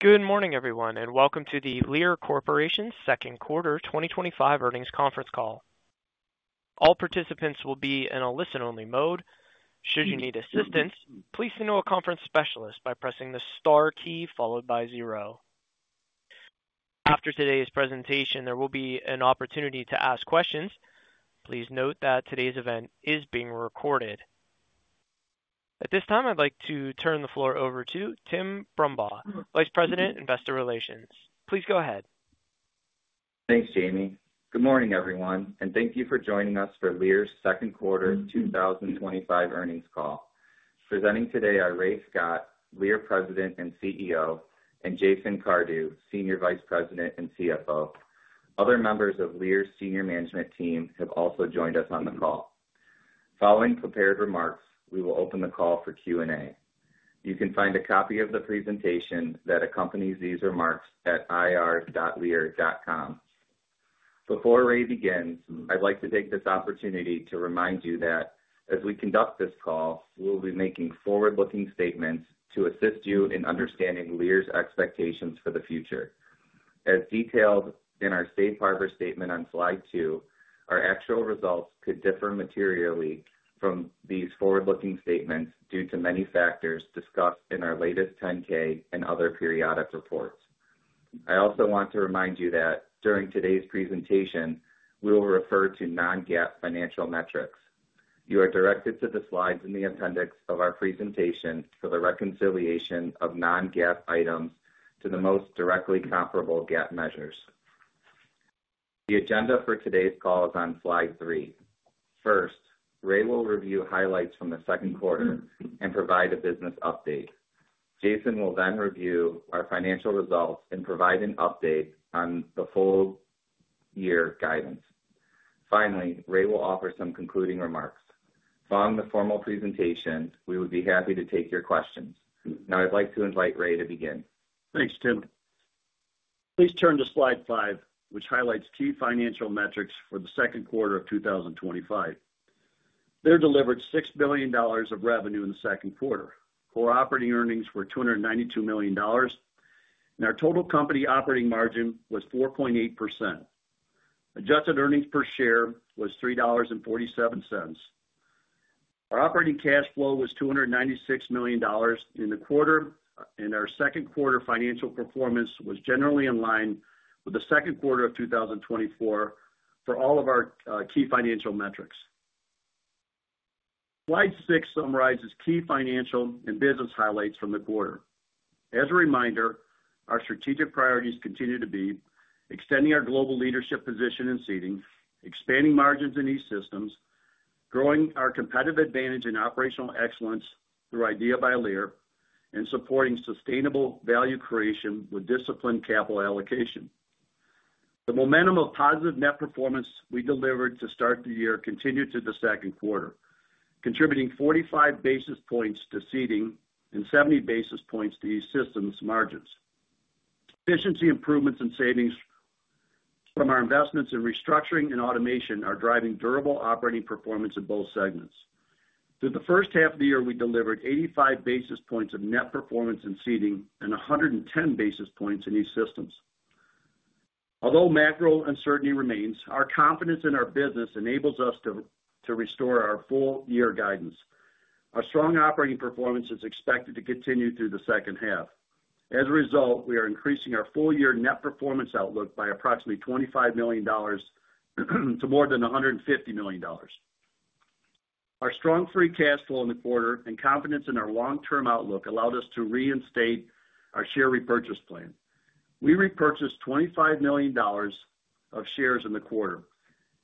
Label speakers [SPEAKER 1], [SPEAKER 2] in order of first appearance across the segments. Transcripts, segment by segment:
[SPEAKER 1] Good morning, everyone, and welcome to the Lear Corporation's Second Quarter twenty twenty five Earnings Please note that today's event is being recorded. At this time, I'd like to turn the floor over to Tim Brumbaugh, Vice President, Investor Relations. Please go ahead.
[SPEAKER 2] Thanks, Jamie. Good morning, everyone, and thank you for joining us for Lear's second quarter twenty twenty five earnings call. Presenting today are Ray Scott, Lear President and CEO and Jason Cardew, Senior Vice President and CFO. Other members of Lear's senior management team have also joined us on the call. Following prepared remarks, we will open the call for Q and A. You can find a copy of the presentation that accompanies these remarks at ir.lear.com. Before Ray begins, I'd like to take this opportunity to remind you that as we conduct this call, we will be making forward looking statements to assist you in understanding Lear's expectations for the future. As detailed in our Safe Harbor statement on Slide two, our actual results could differ materially from these forward looking statements due to many factors discussed in our latest 10 ks and other periodic reports. I also want to remind you that during today's presentation, we will refer to non GAAP financial metrics. You are directed to the slides in the appendix of our presentation for the reconciliation of non GAAP items to the most directly comparable GAAP measures. The agenda for today's call is on Slide three. First, Ray will review highlights from the second quarter and provide a business update. Jason will then review our financial results and provide an update on the full year guidance. Finally, Ray will offer some concluding remarks. Following the formal presentation, we would be happy to take your questions. Now I'd like to invite Ray to begin.
[SPEAKER 3] Thanks, Tim. Please turn to Slide five, which highlights key financial metrics for the second quarter of twenty twenty five. There delivered $6,000,000,000 of revenue in the second quarter. Core operating earnings were $292,000,000 and our total company operating margin was 4.8%. Adjusted earnings per share was $3.47 Our operating cash flow was $296,000,000 in the quarter and our second quarter financial performance was generally in line with the 2024 for all of our key financial metrics. Slide six summarizes key financial and business highlights from the quarter. As a reminder, our strategic priorities continue to be extending our global leadership position in Seating, expanding margins in E Systems, growing our competitive advantage and operational excellence through Idea by Lear and supporting sustainable value creation with disciplined capital allocation. The momentum of positive net performance we delivered to start the year continued to the second quarter, contributing 45 basis points to Seating and 70 basis points to E Systems margins. Efficiency improvements and savings from our investments in restructuring and automation are driving durable operating performance in both segments. Through the first half of the year, we delivered 85 basis points of net performance in Seating and 110 basis points in E Systems. Although macro uncertainty remains, our confidence in our business enables us to restore our full year guidance. Our strong operating performance is expected to continue through the second half. As a result, we are increasing our full year net performance outlook by approximately $25,000,000 to more than $150,000,000 Our strong free cash flow in the quarter and confidence in our long term outlook allowed us to reinstate our share repurchase plan. We repurchased $25,000,000 of shares in the quarter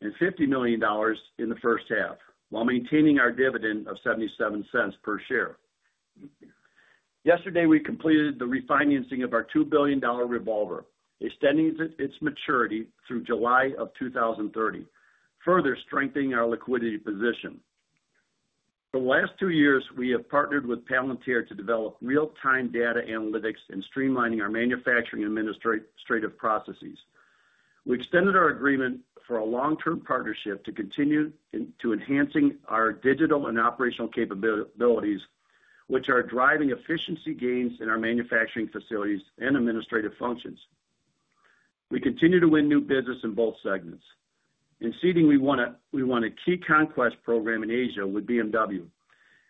[SPEAKER 3] and $50,000,000 in the first half, while maintaining our dividend of $0.77 per share. Yesterday, we completed the refinancing of our 2,000,000,000 revolver, extending its maturity through July, further strengthening our liquidity position. For the last two years, we have partnered with Palantir to develop real time data analytics and streamlining our manufacturing and administrative processes. We extended our agreement for a long term partnership to continue to enhancing our digital and operational capabilities, which are driving efficiency gains in our manufacturing facilities and administrative functions. We continue to win new business in both segments. In Seating, we won a key conquest program in Asia with BMW,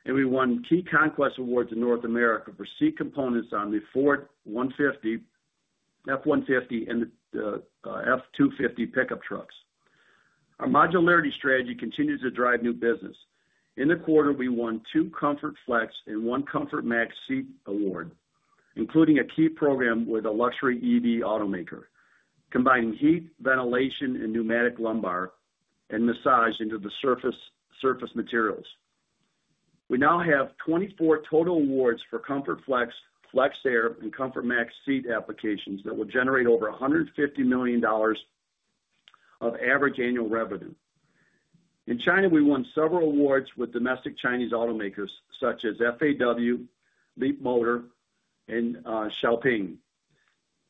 [SPEAKER 3] and we won key conquest awards in North America for seat components on the Ford 150, F-one 150 and F-two 50 pickup trucks. Our modularity strategy continues to drive new business. In the quarter, we won two Comfort Flex and one Comfort Max seat award, including a key program with a luxury EV automaker, combining heat, ventilation and pneumatic lumbar and massage into the surface materials. We now have 24 total awards for Comfort Flex, FlexAir and ComfortMax seat applications that will generate over $150,000,000 of average annual revenue. In China, we won several awards with domestic Chinese automakers such as FAW, LEAP Motor and Xiaoping.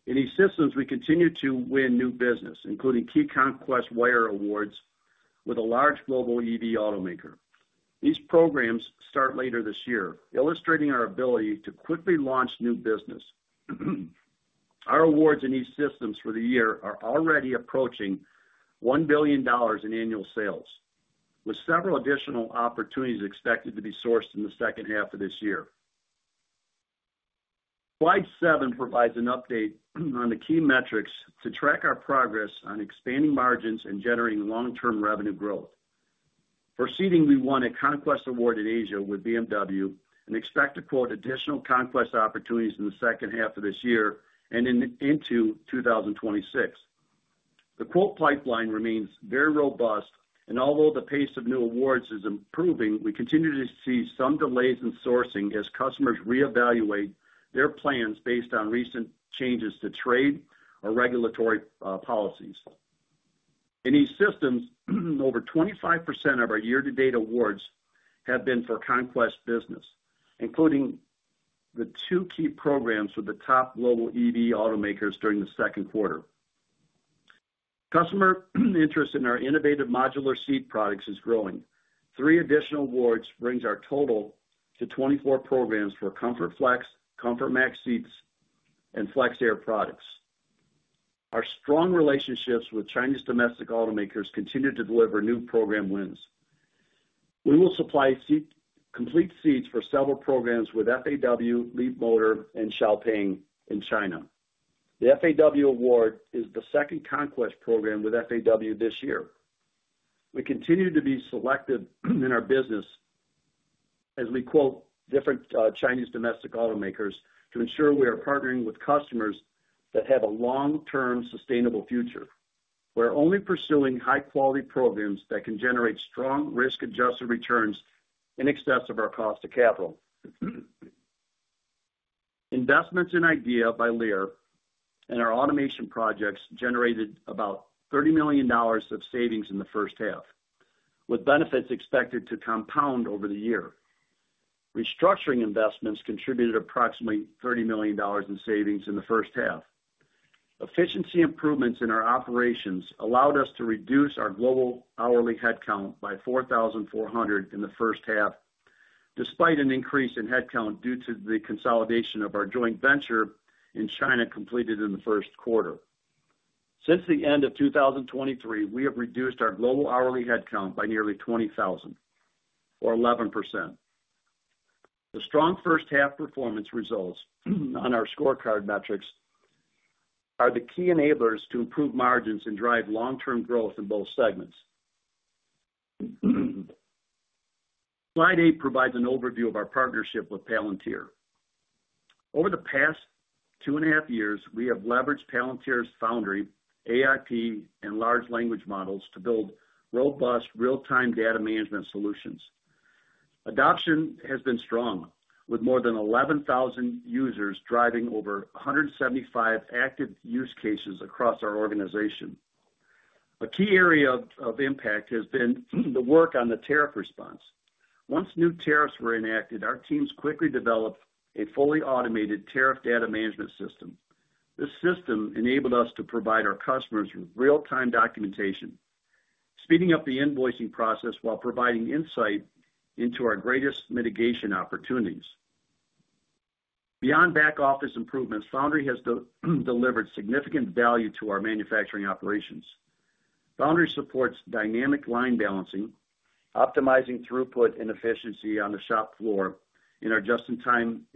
[SPEAKER 3] In E Systems, we continue to win new business, including key Conquest Wire awards with a large global EV automaker. These programs start later this year, illustrating our ability to quickly launch new business. Our awards in E Systems for the year are already approaching $1,000,000,000 in annual sales, with several additional opportunities expected to be sourced in the second half of this year. Slide seven provides an update on the key metrics to track our progress on expanding margins and generating long term revenue growth. Proceeding, we won a conquest award in Asia with BMW and expect to quote additional conquest opportunities in the second half of this year and into 2026. The quote pipeline remains very robust and although the pace of new awards is improving, we continue to see some delays in sourcing as customers reevaluate their plans based on recent changes to trade or regulatory policies. In E Systems, over 25% of our year to date awards have been for Conquest business, including the two key programs with the top global EV automakers during the second quarter. Customer interest in our innovative modular seat products is growing. Three additional awards brings our total to 24 programs for Comfort Flex, ComfortMax seats and Flex Air products. Our strong relationships with Chinese domestic automakers continue to deliver new program wins. We will supply complete seats for several programs with FAW, LEAP Motor and Xiaoping in China. The FAW award is the second conquest program with FAW this year. We continue to be selective in our business as we quote different Chinese domestic automakers to ensure we are partnering with customers that have a long term sustainable future. We're only pursuing high quality programs that can generate strong risk adjusted returns in excess of our cost of capital. Investments in Idea by Lear and our automation projects generated about $30,000,000 of savings in the first half, with benefits expected to compound over the year. Restructuring investments contributed approximately $30,000,000 in savings in the first half. Efficiency improvements in our operations allowed us to reduce our global hourly headcount by 4,400 in the first half despite an increase in headcount due to the consolidation of our joint venture in China completed in the first quarter. Since the end of twenty twenty three, we have reduced our global hourly headcount by nearly 20,000 or 11%. The strong first half performance results on our scorecard metrics are the key enablers to improve margins and drive long term growth in both segments. Slide eight provides an overview of our partnership with Palantir. Over the past two point five years, we have leveraged Palantir's foundry, AIP and large language models to build robust real time data management solutions. Adoption has been strong with more than 11,000 users driving over 175 active use cases across our organization. A key area of impact has been the work on the tariff response. Once new tariffs were enacted, our teams quickly developed a fully automated tariff data management system. This system enabled us to provide our customers real time documentation, speeding up the invoicing process while providing insight into our greatest mitigation opportunities. Beyond back office improvements, Foundry has delivered significant value to our manufacturing operations. Foundry supports dynamic line balancing, optimizing throughput and efficiency on the shop floor in our just in time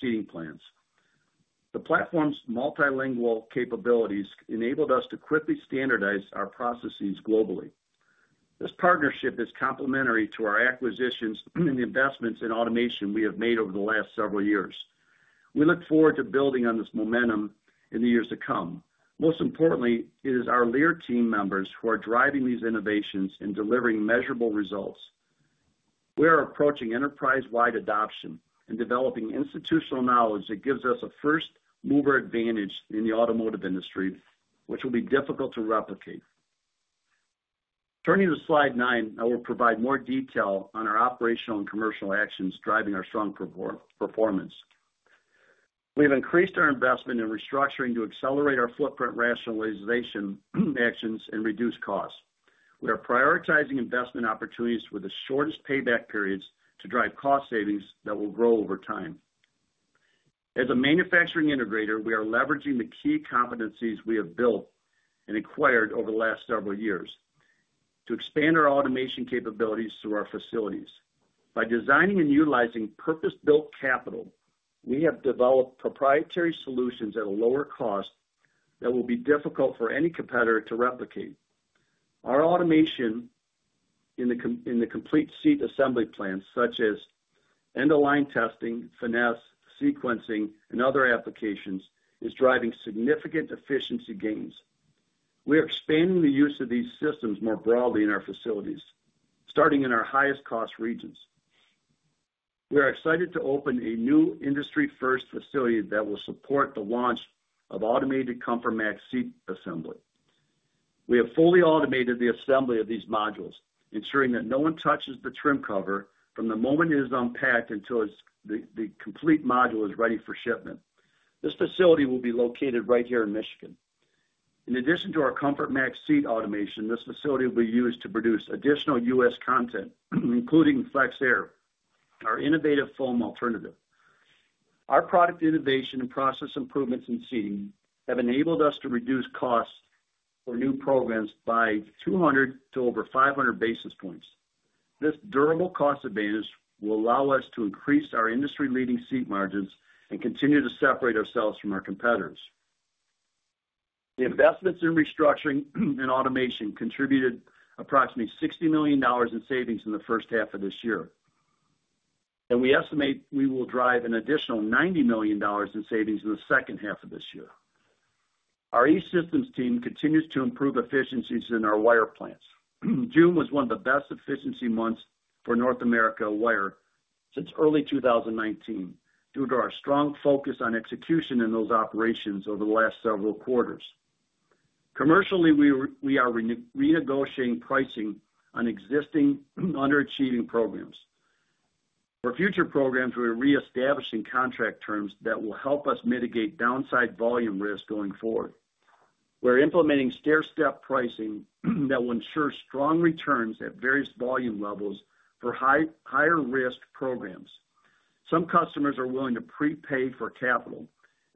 [SPEAKER 3] seating plans. The platform's multilingual capabilities enabled us to quickly standardize our processes globally. This partnership is complementary to our acquisitions and investments in automation we have made over the last several years. We look forward to building on this momentum in the years to come. Most importantly, it is our Lear team members who are driving these innovations and delivering measurable results. We are approaching enterprise wide adoption and developing institutional knowledge that gives us a first mover advantage in the automotive industry, which will be difficult to replicate. Turning to Slide nine, I will provide more detail on our operational and commercial actions driving our strong performance. We have increased our investment in restructuring to accelerate our footprint rationalization actions and reduce costs. We are prioritizing investment opportunities with the shortest payback periods to drive cost savings that will grow over time. As a manufacturing integrator, we are leveraging the key competencies we have built and acquired over the last several years to expand our automation capabilities through our facilities. By designing and utilizing purpose built capital, we have developed proprietary solutions at a lower cost that will be difficult for any competitor to replicate. Our automation in the complete seat assembly plans such as end of line testing, finesse, sequencing and other applications is driving significant efficiency gains. We are expanding the use of these systems more broadly in our facilities, starting in our highest cost regions. We are excited to open a new industry first facility that will support the launch of automated ComfortMax seat assembly. We have fully automated the assembly of these modules ensuring that no one touches the trim cover from the moment it is unpacked until the complete module is ready for shipment. This facility will be located right here in Michigan. In addition to our ComfortMax seat automation, this facility will be used to produce additional U. S. Content including FlexAir, our innovative foam alternative. Our product innovation and process improvements in seating have enabled us to reduce costs for new programs by 200 to over 500 basis points. This durable cost advantage will allow us to increase our industry leading seat margins and continue to separate ourselves from our competitors. The investments in restructuring and automation contributed approximately $60,000,000 in savings in the first half of this year. And we estimate we will drive an additional $90,000,000 in savings in the second half of this year. Our E Systems team continues to improve efficiencies in our wire plants. June was one of the best efficiency months for North America wire since early twenty nineteen due to our strong focus on execution in those operations over the last several quarters. Commercially, are renegotiating pricing on existing underachieving programs. For future programs, we are reestablishing contract terms that will help us mitigate downside volume risk going forward. We're implementing stair step pricing that will ensure strong returns at various volume levels for higher risk programs. Some customers are willing to prepay for capital,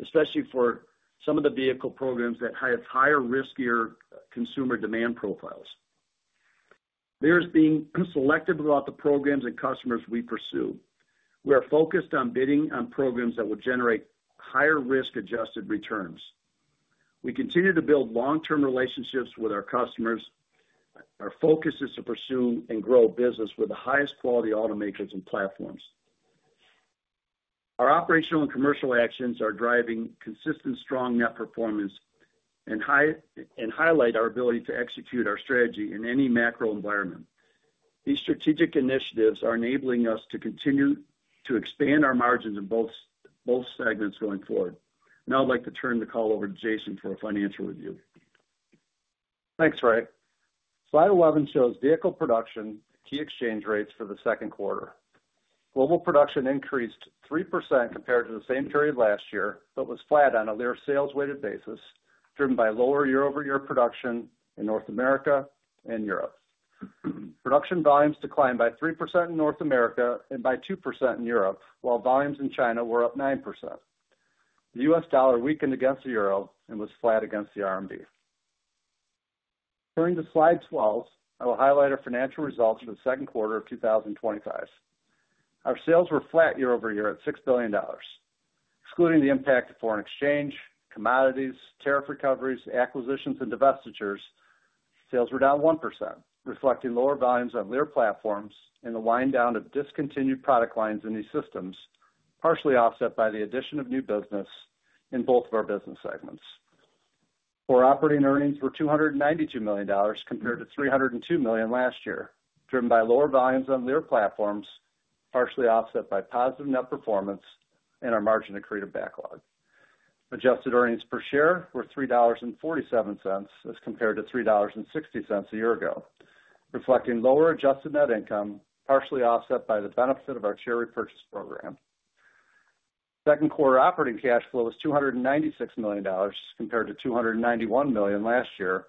[SPEAKER 3] especially for some of the vehicle programs that have higher riskier consumer demand profiles. There is being selective about the programs and customers we pursue. We are focused on bidding on programs that would generate higher risk adjusted returns. We continue to build long term relationships with our customers. Our focus is to pursue and grow business with the highest quality automakers and platforms. Our operational and commercial actions are driving consistent strong net performance and highlight our ability to execute our strategy in any macro environment. These strategic initiatives are enabling us to continue to expand our margins in both segments going forward. Now I'd like to turn the call over to Jason for a financial review.
[SPEAKER 4] Thanks, Ray. Slide 11 shows vehicle production, key exchange rates for the second quarter. Global production increased 3% compared to the same period last year, but was flat on a Leer sales weighted basis, driven by lower year over year production in North America and Europe. Production volumes declined by 3% in North America and by 2% in Europe, while volumes in China were up 9%. The U. S. Dollar weakened against the euro and was flat against the RMB. Turning to Slide 12, I will highlight our financial results for the second quarter of twenty twenty five. Our sales were flat year over year at $6,000,000,000 Excluding the impact of foreign exchange, commodities, tariff recoveries, acquisitions and divestitures, sales were down 1%, reflecting lower volumes on Lear platforms and the wind down of discontinued product lines in these systems, partially offset by the addition of new business in both of our business segments. Core operating earnings were $292,000,000 compared to $3.00 $2,000,000 last year, driven by lower volumes on Lear platforms, partially offset by positive net performance and our margin accretive backlog. Adjusted earnings per share were $3.47 as compared to $3.6 a year ago, reflecting lower adjusted net income, partially offset by the benefit of our share repurchase program. Second quarter operating cash flow was $296,000,000 compared to $291,000,000 last year,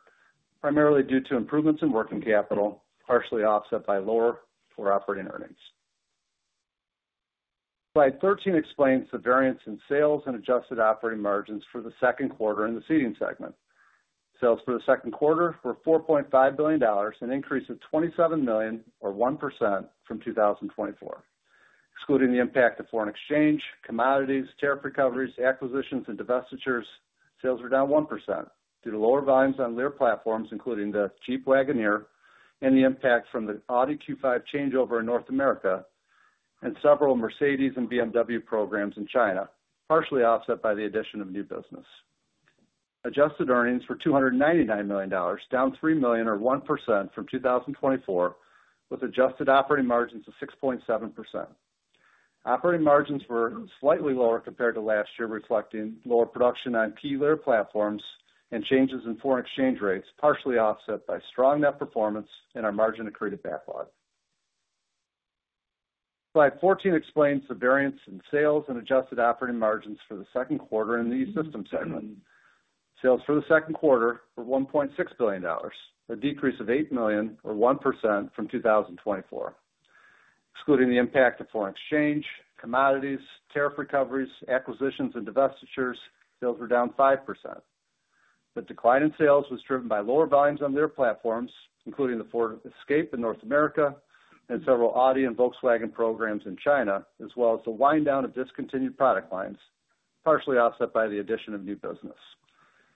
[SPEAKER 4] primarily due to improvements in working capital, partially offset by lower core operating earnings. Slide 13 explains the variance in sales and adjusted operating margins for the second quarter in the Seating segment. Sales for the second quarter were $4,500,000,000 an increase of $27,000,000 or 1% from 2024. Excluding the impact of foreign exchange, commodities, tariff recoveries, acquisitions and divestitures, sales were down 1% due to lower volumes on Lear platforms, including the Jeep Wagoneer and the impact from the Audi Q5 changeover in North America and several Mercedes and BMW programs in China, partially offset by the addition of new business. Adjusted earnings were $299,000,000 down $3,000,000 or 1% from 2024, with adjusted operating margins of 6.7. Operating margins were slightly lower compared to last year reflecting lower production on key Lear platforms and changes in foreign exchange rates partially offset by strong net performance in our margin accretive backlog. Slide 14 explains the variance in sales and adjusted operating margins for the second quarter in the E Systems segment. Sales for the second quarter were $1,600,000,000 a decrease of $8,000,000 or 1% from 2024. Excluding the impact of foreign exchange, commodities, tariff recoveries, acquisitions and divestitures, sales were down 5%. The decline in sales was driven by lower volumes on their platforms, including the Ford Escape in North America and several Audi and Volkswagen programs in China as well as the wind down of discontinued product lines, partially offset by the addition of new business.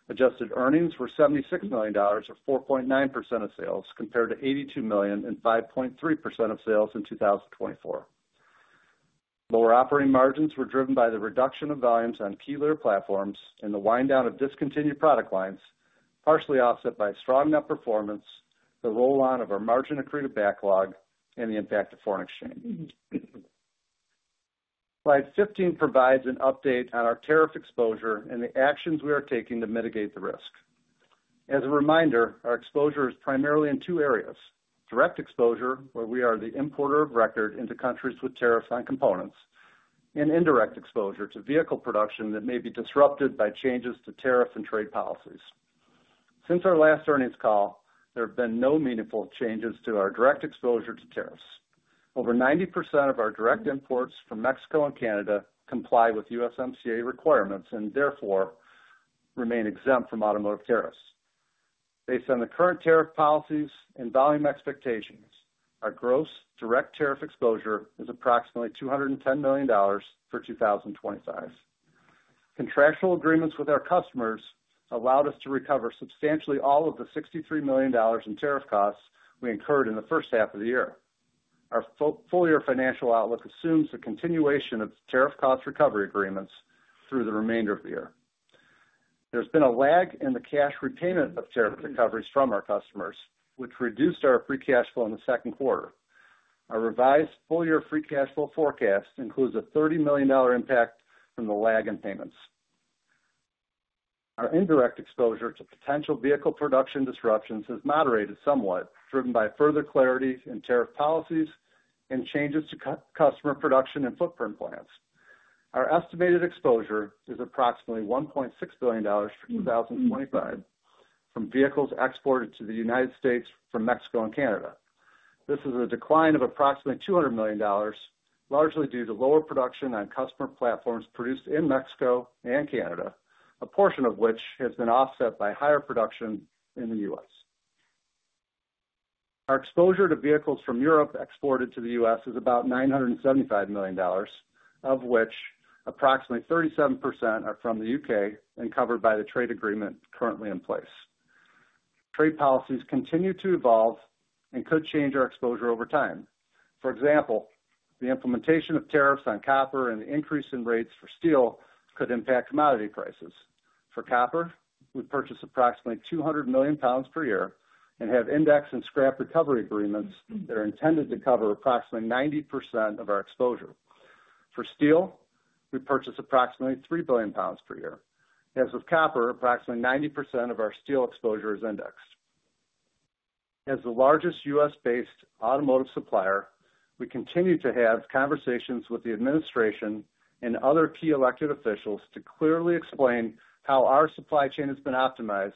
[SPEAKER 4] Adjusted earnings were $76,000,000 or 4.9% of sales compared to $82,000,000 and 5.3% of sales in 2024. Lower operating margins were driven by the reduction of volumes on key Lear platforms and the wind down of discontinued product lines, partially offset by strong net performance, the roll on of our margin accretive backlog and the impact of foreign exchange. Slide 15 provides an update on our tariff exposure and the actions we are taking to mitigate the risk. As a reminder, our exposure is primarily in two areas: direct exposure, where we are the importer of record into countries with tariffs on components and indirect exposure to vehicle production that may be disrupted by changes to tariffs and trade policies. Since our last earnings call, there have been no meaningful changes to our direct exposure to tariffs. Over 90% of our direct imports from Mexico and Canada comply with USMCA requirements and therefore remain exempt from automotive tariffs. Based on the current tariff policies and volume expectations, our gross direct tariff exposure is approximately $210,000,000 for 2025. Contractual agreements with our customers allowed us to recover substantially all of the $63,000,000 in tariff costs we incurred in the first half of the year. Our full year financial outlook assumes a continuation of tariff cost recovery agreements through the remainder of the year. There's been a lag in the cash repayment of tariff recoveries from our customers, which reduced our free cash flow in the second quarter. Our revised full year free cash flow forecast includes a $30,000,000 impact from the lag in payments. Our indirect exposure to potential vehicle production disruptions has moderated somewhat driven by further clarity in tariff policies and changes to customer production and footprint plans. Our estimated exposure is approximately $1,600,000,000 for 2025 from vehicles exported to The United States from Mexico and Canada. This is a decline of approximately $200,000,000 largely due to lower production on customer platforms produced in Mexico and Canada, a portion of which has been offset by higher production in The U. S. Our exposure to vehicles from Europe exported to The U. S. Is about $975,000,000 of which approximately 37% are from The UK and covered by the trade agreement currently in place. Trade policies continue to evolve and could change our exposure over time. For example, the implementation of tariffs on copper and the increase in rates for steel could impact commodity prices. For copper, we purchased approximately £200,000,000 per year and have index and scrap recovery agreements that are intended to cover approximately 90% of our exposure. For steel, we purchased approximately 3,000,000,000 pounds per year. As with copper, approximately 90% of our steel exposure is indexed. As the largest U. S.-based automotive supplier, we continue to have conversations with the administration and other key elected officials to clearly explain how our supply chain has been optimized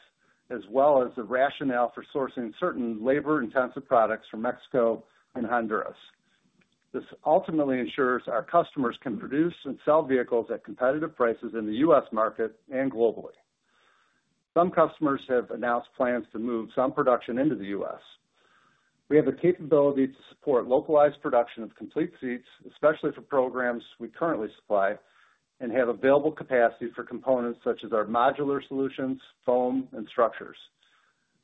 [SPEAKER 4] as well as the rationale for sourcing certain labor intensive products from Mexico and Honduras. This ultimately ensures our customers can produce and sell vehicles at competitive prices in The U. S. Market and globally. Some customers have announced plans to move some production into The U. S. We have the capability to support localized production of complete seats, especially for programs we currently supply and have available capacity for components such as our modular solutions, foam and structures.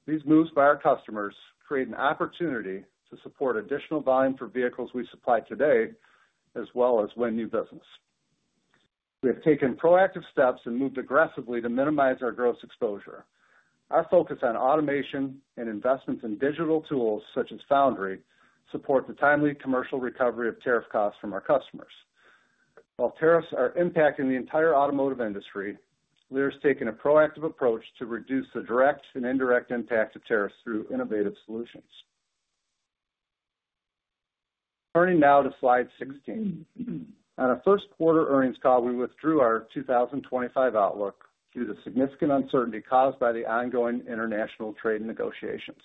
[SPEAKER 4] These moves by our customers create an opportunity to support additional volume for vehicles we supply today as well as win new business. We have taken proactive steps and moved aggressively to minimize our gross exposure. Our focus on automation and investments in digital tools such as foundry support the timely commercial recovery of tariff costs from our customers. While tariffs are impacting the entire automotive industry, Lear has taken a proactive approach to reduce the direct and indirect impact of tariffs through innovative solutions. Turning now to slide 16. On our first quarter earnings call, we withdrew our 2025 outlook due to significant uncertainty caused by the ongoing international trade negotiations.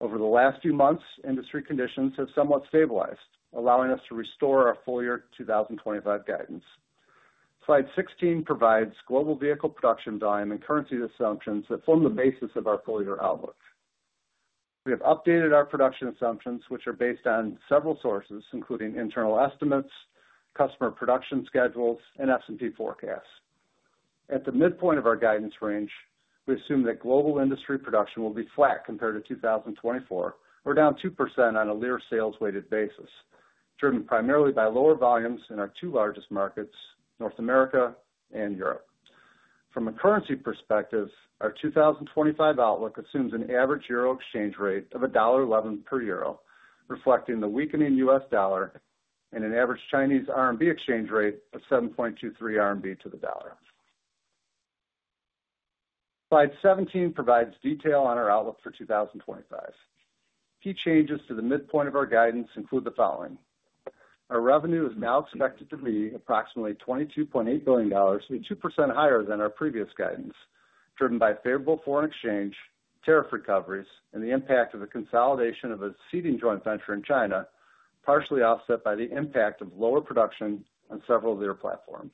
[SPEAKER 4] Over the last few months, industry conditions have somewhat stabilized, allowing us to restore our full year 2025 guidance. Slide 16 provides global vehicle production volume and currency assumptions that form the basis of our full year outlook. We have updated our production assumptions, are based on several sources, including internal estimates, customer production schedules and S and P forecasts. At the midpoint of our guidance range, we assume that global industry production will be flat compared to 2024 or down 2% on a Leer sales weighted basis, driven primarily by lower volumes in our two largest markets, North America and Europe. From a currency perspective, our 2025 outlook assumes an average euro exchange rate of $1.11 per euro, reflecting the weakening U. S. Dollar and an average Chinese RMB exchange rate of 7.23 RMB to the dollar. Slide 17 provides detail on our outlook for 2025. Key changes to the midpoint of our guidance include the following: Our revenue is now expected to be approximately $22,800,000,000 or 2% higher than our previous guidance, driven by favorable foreign exchange, tariff recoveries and the impact of the consolidation of a Seating joint venture in China, partially offset by the impact of lower production on several of their platforms.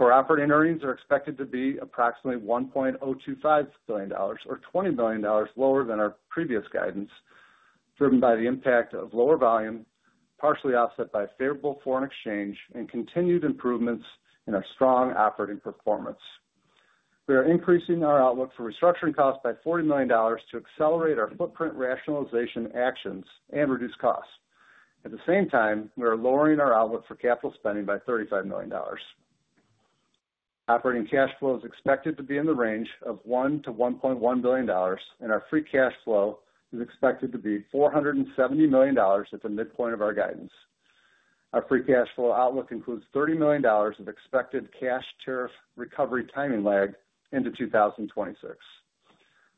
[SPEAKER 4] Core operating earnings are expected to be approximately $1,025,000,000 or $20,000,000,000 lower than our previous guidance, driven by the impact of lower volume, partially offset by favorable foreign exchange and continued improvements in our strong operating performance. We are increasing our outlook for restructuring costs by $40,000,000 to accelerate our footprint rationalization actions and reduce costs. At the same time, we are lowering our outlook for capital spending by $35,000,000 Operating cash flow is expected to be in the range of $1,000,000,000 to $1,100,000,000 and our free cash flow is expected to be $470,000,000 at the midpoint of our guidance. Our free cash flow outlook includes $30,000,000 of expected cash tariff recovery timing lag into 2026.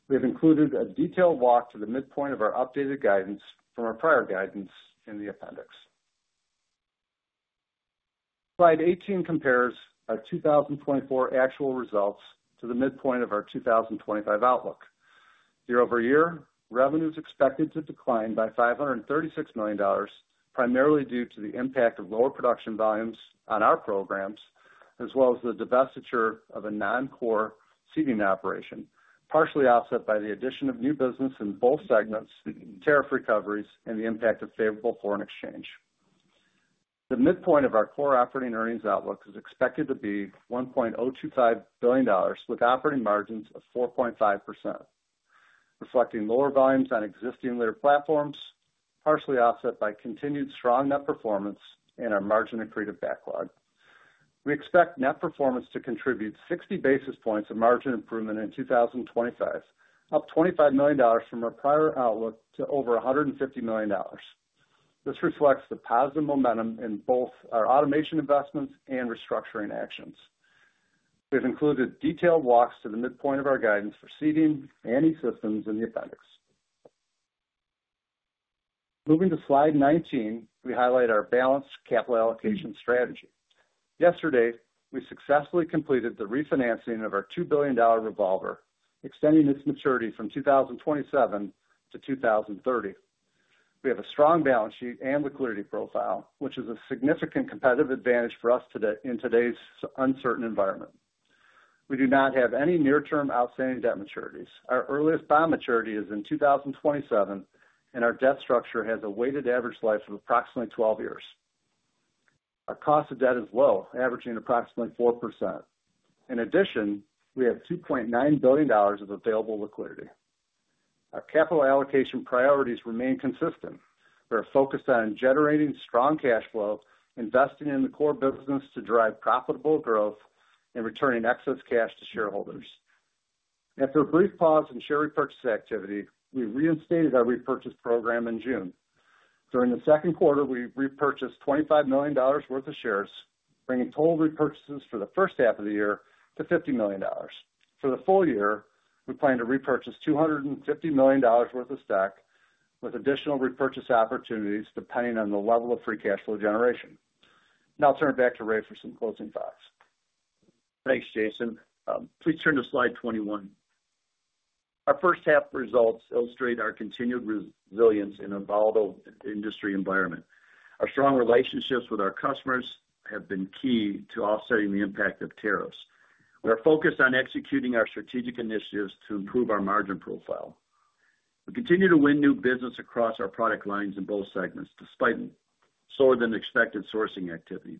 [SPEAKER 4] We have included a detailed walk to the midpoint of our updated guidance from our prior guidance in the appendix. Slide 18 compares our 2024 actual results to the midpoint of our 2025 outlook. Year over year, revenue is expected to decline by $536,000,000 primarily due to the impact of lower production volumes on our programs as well as the divestiture of a non core Seating operation, partially offset by the addition of new business in both segments, tariff recoveries and the impact of favorable foreign exchange. The midpoint of our core operating earnings outlook is expected to be $1,025,000,000 with operating margins of 4.5%, reflecting lower volumes on existing Lear platforms, partially offset by continued strong net performance and our margin accretive backlog. We expect net performance to contribute 60 basis points of margin improvement in 2025, up $25,000,000 from our prior outlook to over $150,000,000 This reflects the positive momentum in both our automation investments and restructuring actions. We've included detailed walks to the midpoint of our guidance for Seating and E Systems in the appendix. Moving to slide 19, we highlight our balanced capital allocation strategy. Yesterday, we successfully completed the refinancing of our $2,000,000,000 revolver, extending its maturity from 2027 to 02/1930. We have a strong balance sheet and liquidity profile, which is a significant competitive advantage for us in today's uncertain environment. We do not have any near term outstanding debt maturities. Our earliest bond maturity is in 2027 and our debt structure has a weighted average life of approximately twelve years. Our cost of debt is low averaging approximately 4%. In addition, we have $2,900,000,000 of available liquidity. Our capital allocation priorities remain consistent. We are focused on generating strong cash flow, investing in the core business to drive profitable growth and returning excess cash to shareholders. After a brief pause in share repurchase activity, we reinstated our repurchase program in June. During the second quarter, we repurchased $25,000,000 worth of shares, bringing total repurchases for the first half of the year to $50,000,000 For the full year, we plan to repurchase $250,000,000 worth of stock with additional repurchase opportunities depending on the level of free cash flow generation. Now I'll turn it back to Ray for some closing thoughts.
[SPEAKER 3] Thanks, Jason. Please turn to slide 21. Our first half results illustrate our continued resilience in a volatile industry environment. Our strong relationships with our customers have been key to offsetting the impact of tariffs. We are focused on executing our strategic initiatives to improve our margin profile. We continue to win new business across our product lines in both segments despite slower than expected sourcing activity.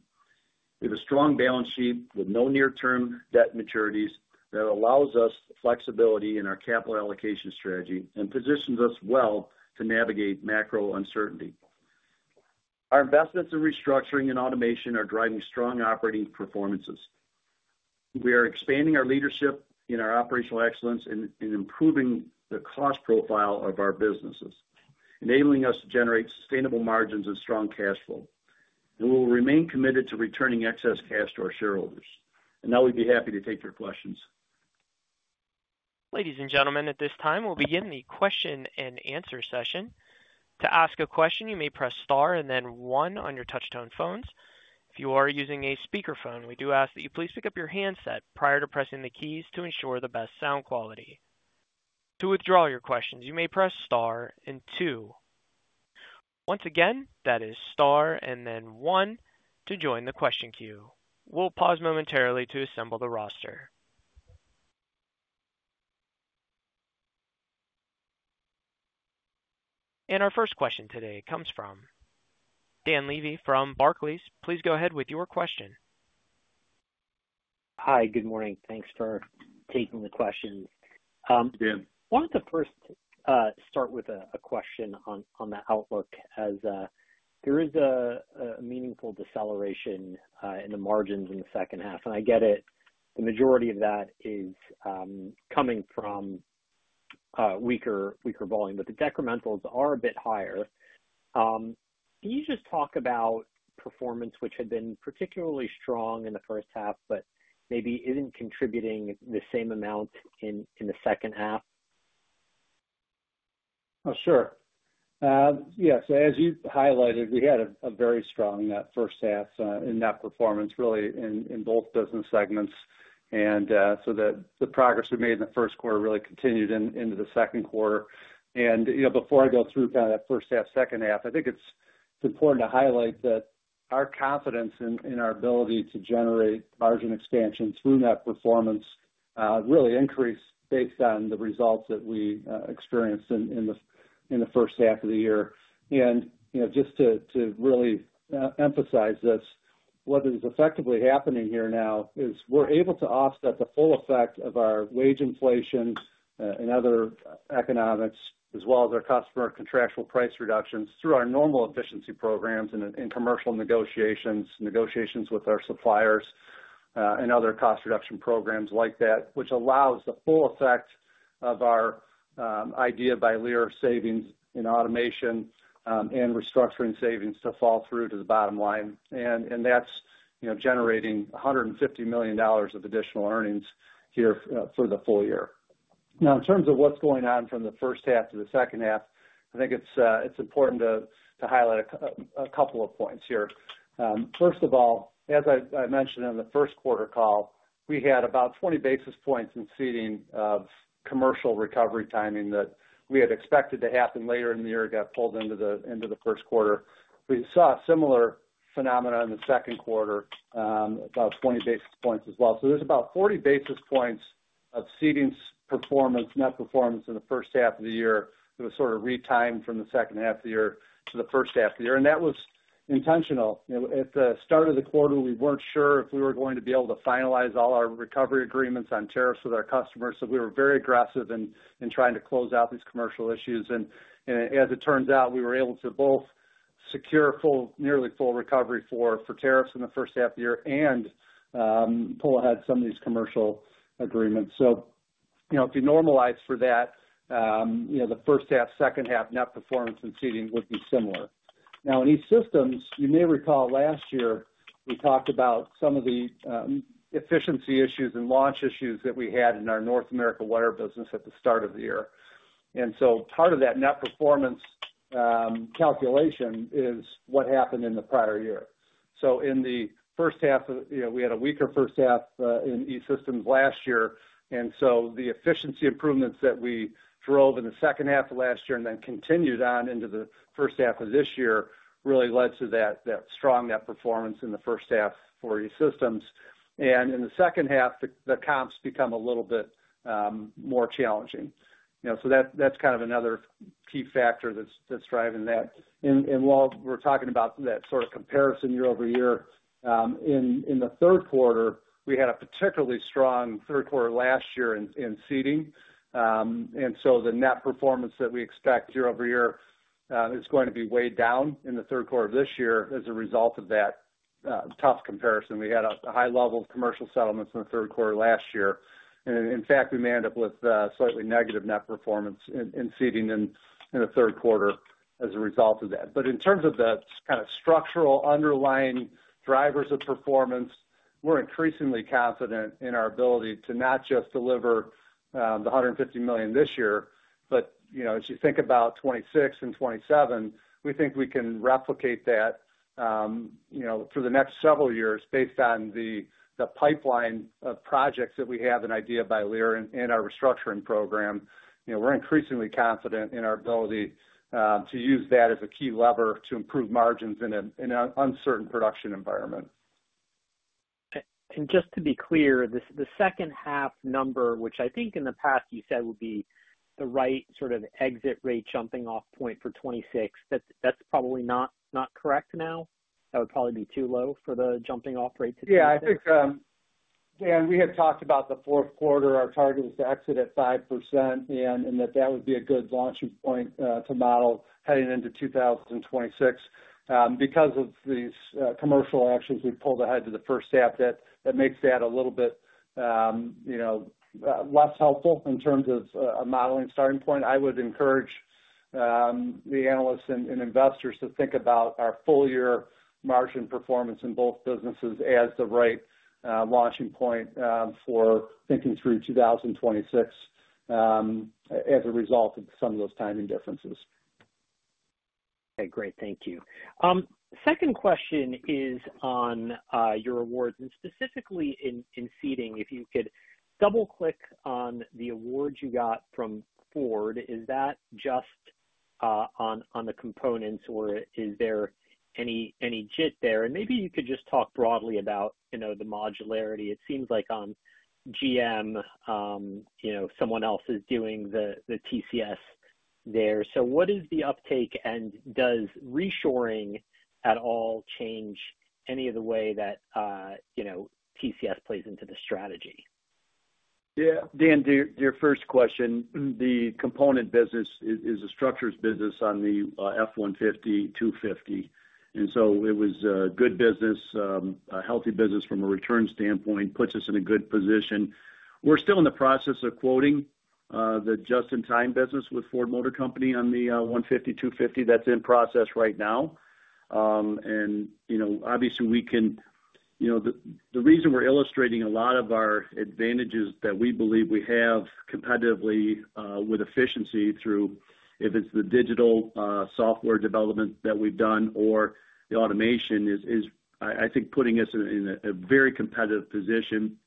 [SPEAKER 3] We have a strong balance sheet with no near term debt maturities that allows us flexibility in our capital allocation strategy and positions us well to navigate macro uncertainty. Our investments in restructuring and automation are driving strong operating performances. We are expanding our leadership in our operational excellence and improving the cost profile of our businesses, enabling us to generate sustainable margins and strong cash flow. And we will remain committed to returning excess cash to our shareholders. And now we'd be happy to take your questions.
[SPEAKER 1] And our first question today comes from Dan Levy from Barclays. Please go ahead with your question.
[SPEAKER 5] Hi, good morning. Thanks for taking the question. I wanted to first start with a question on the outlook as there is a meaningful deceleration in the margins in the second half. And I get it, the majority of that is coming from weaker volume, but the decrementals are a bit higher. Can you just talk about performance, which had been particularly strong in the first half, but maybe isn't contributing the same amount in the second half?
[SPEAKER 4] Sure. Yes. As you highlighted, we had a very strong first half in that performance really in both business segments. And so the progress we made in the first quarter really continued into the second quarter. And before I go through kind of that first half, second half, I think it's important to highlight that our confidence in our ability to generate margin expansion through that performance really increased based on the results that we experienced in the first half of the year. And just to really emphasize this, what is effectively happening here now is we're able to offset the full effect of our wage inflation and other economics as well as our customer contractual price reductions through our normal efficiency programs and in commercial negotiations, negotiations with our suppliers and other cost reduction programs like that, which allows the full effect of our Idea by Lear savings in automation and restructuring savings to fall through to the bottom line. And that's generating $150,000,000 of additional earnings here for the full year. Now in terms of what's going on from the first half to the second half, I think it's important to highlight a couple of points here. First of all, as I mentioned in the first quarter call, we had about 20 basis points in Seating of commercial recovery timing that we had expected to happen later in the year, got pulled into first quarter. We saw a similar phenomenon in the second quarter, about 20 basis points as well. So there's about 40 basis points of Seating's performance, net performance in the first half of the year that was sort of retimed from the second half of the year to the first half of the year. And that was intentional. At the start of the quarter, we weren't sure if we were going to be able to finalize all our recovery agreements on tariffs with our customers. So we were very aggressive in trying to close out these commercial issues. And as it turns out, we were able to both secure full nearly full recovery for tariffs in the first half of the year and pull ahead some of these commercial agreements. If you normalize for that, the first half, second half net performance in Seating would be similar. Now in E Systems, you may recall last year, we talked about some of the efficiency issues and launch issues that we had in our North America wire business at the start of the year. And so part of that net performance calculation is what happened in the prior year. So in the first half, had a weaker first half in E Systems last year. And so the efficiency improvements that we drove in the second half of last year and then continued on into the first half of this year really led to that strong outperformance in the first half for E Systems. And in the second half, the comps become a little bit more challenging. So that's kind of another key factor that's driving that. And while we're talking about that sort of comparison year over year, in the third quarter, we had a particularly strong third quarter last year in Seating. And so the net performance that we expect year over year is going to be weighed down in the third quarter of this year as a result of that tough comparison. We had a high level of commercial settlements in the third quarter last year. And in fact, we may end up with slightly negative net performance in Seating in the third quarter as a result of that. But in terms of the kind of structural underlying drivers of performance, we're increasingly confident in our ability to not just deliver the $150,000,000 this year, but as you think about 2026 and 2027, we think we can replicate that for the next several years based on the pipeline of projects that we have in Idea by Lear and our restructuring program. We're increasingly confident in our ability to use that as a key lever to improve margins in an uncertain production environment.
[SPEAKER 5] And just to be clear, the second half number, which I think in the past you said would be the right sort of exit rate jumping off point for 26%, that's probably not correct now. That would probably be too low for the jumping off rate to be?
[SPEAKER 4] Yes. I think, Dan, we had talked about the fourth quarter. Our target was to exit at 5% and that, that would be a good launching point to model heading into 2026. Because of these commercial actions, we pulled ahead to the first half that makes that a little bit less helpful in terms of a modeling starting point. I would encourage the analysts and investors to think about our full year margin performance in both businesses as the right launching point for thinking through 2026 as a result of some of those timing differences.
[SPEAKER 5] Okay, great. Thank you. Second question is on your awards and specifically in Seating, if you could double click on the awards you got from Ford, is that just on the components? Or is there any jit there? And maybe you could just talk broadly about the modularity. It seems like on GM, someone else is doing the TCS there. So what is the uptake? And does reshoring at all change any of the way that TCS plays into the strategy?
[SPEAKER 3] Yes. Dan, to your first question, the component business is a structures business on the F-one 150, two fifty. And so it was a good business, a healthy business from a return standpoint, puts us in a good position. We're still in the process of quoting the just in time business with Ford Motor Company on the $152.50 that's in process right now. And obviously, we can the reason we're illustrating a lot of our advantages that we believe we have competitively with efficiency through if it's the digital software development that we've done or the automation is, I think, putting us in a very competitive position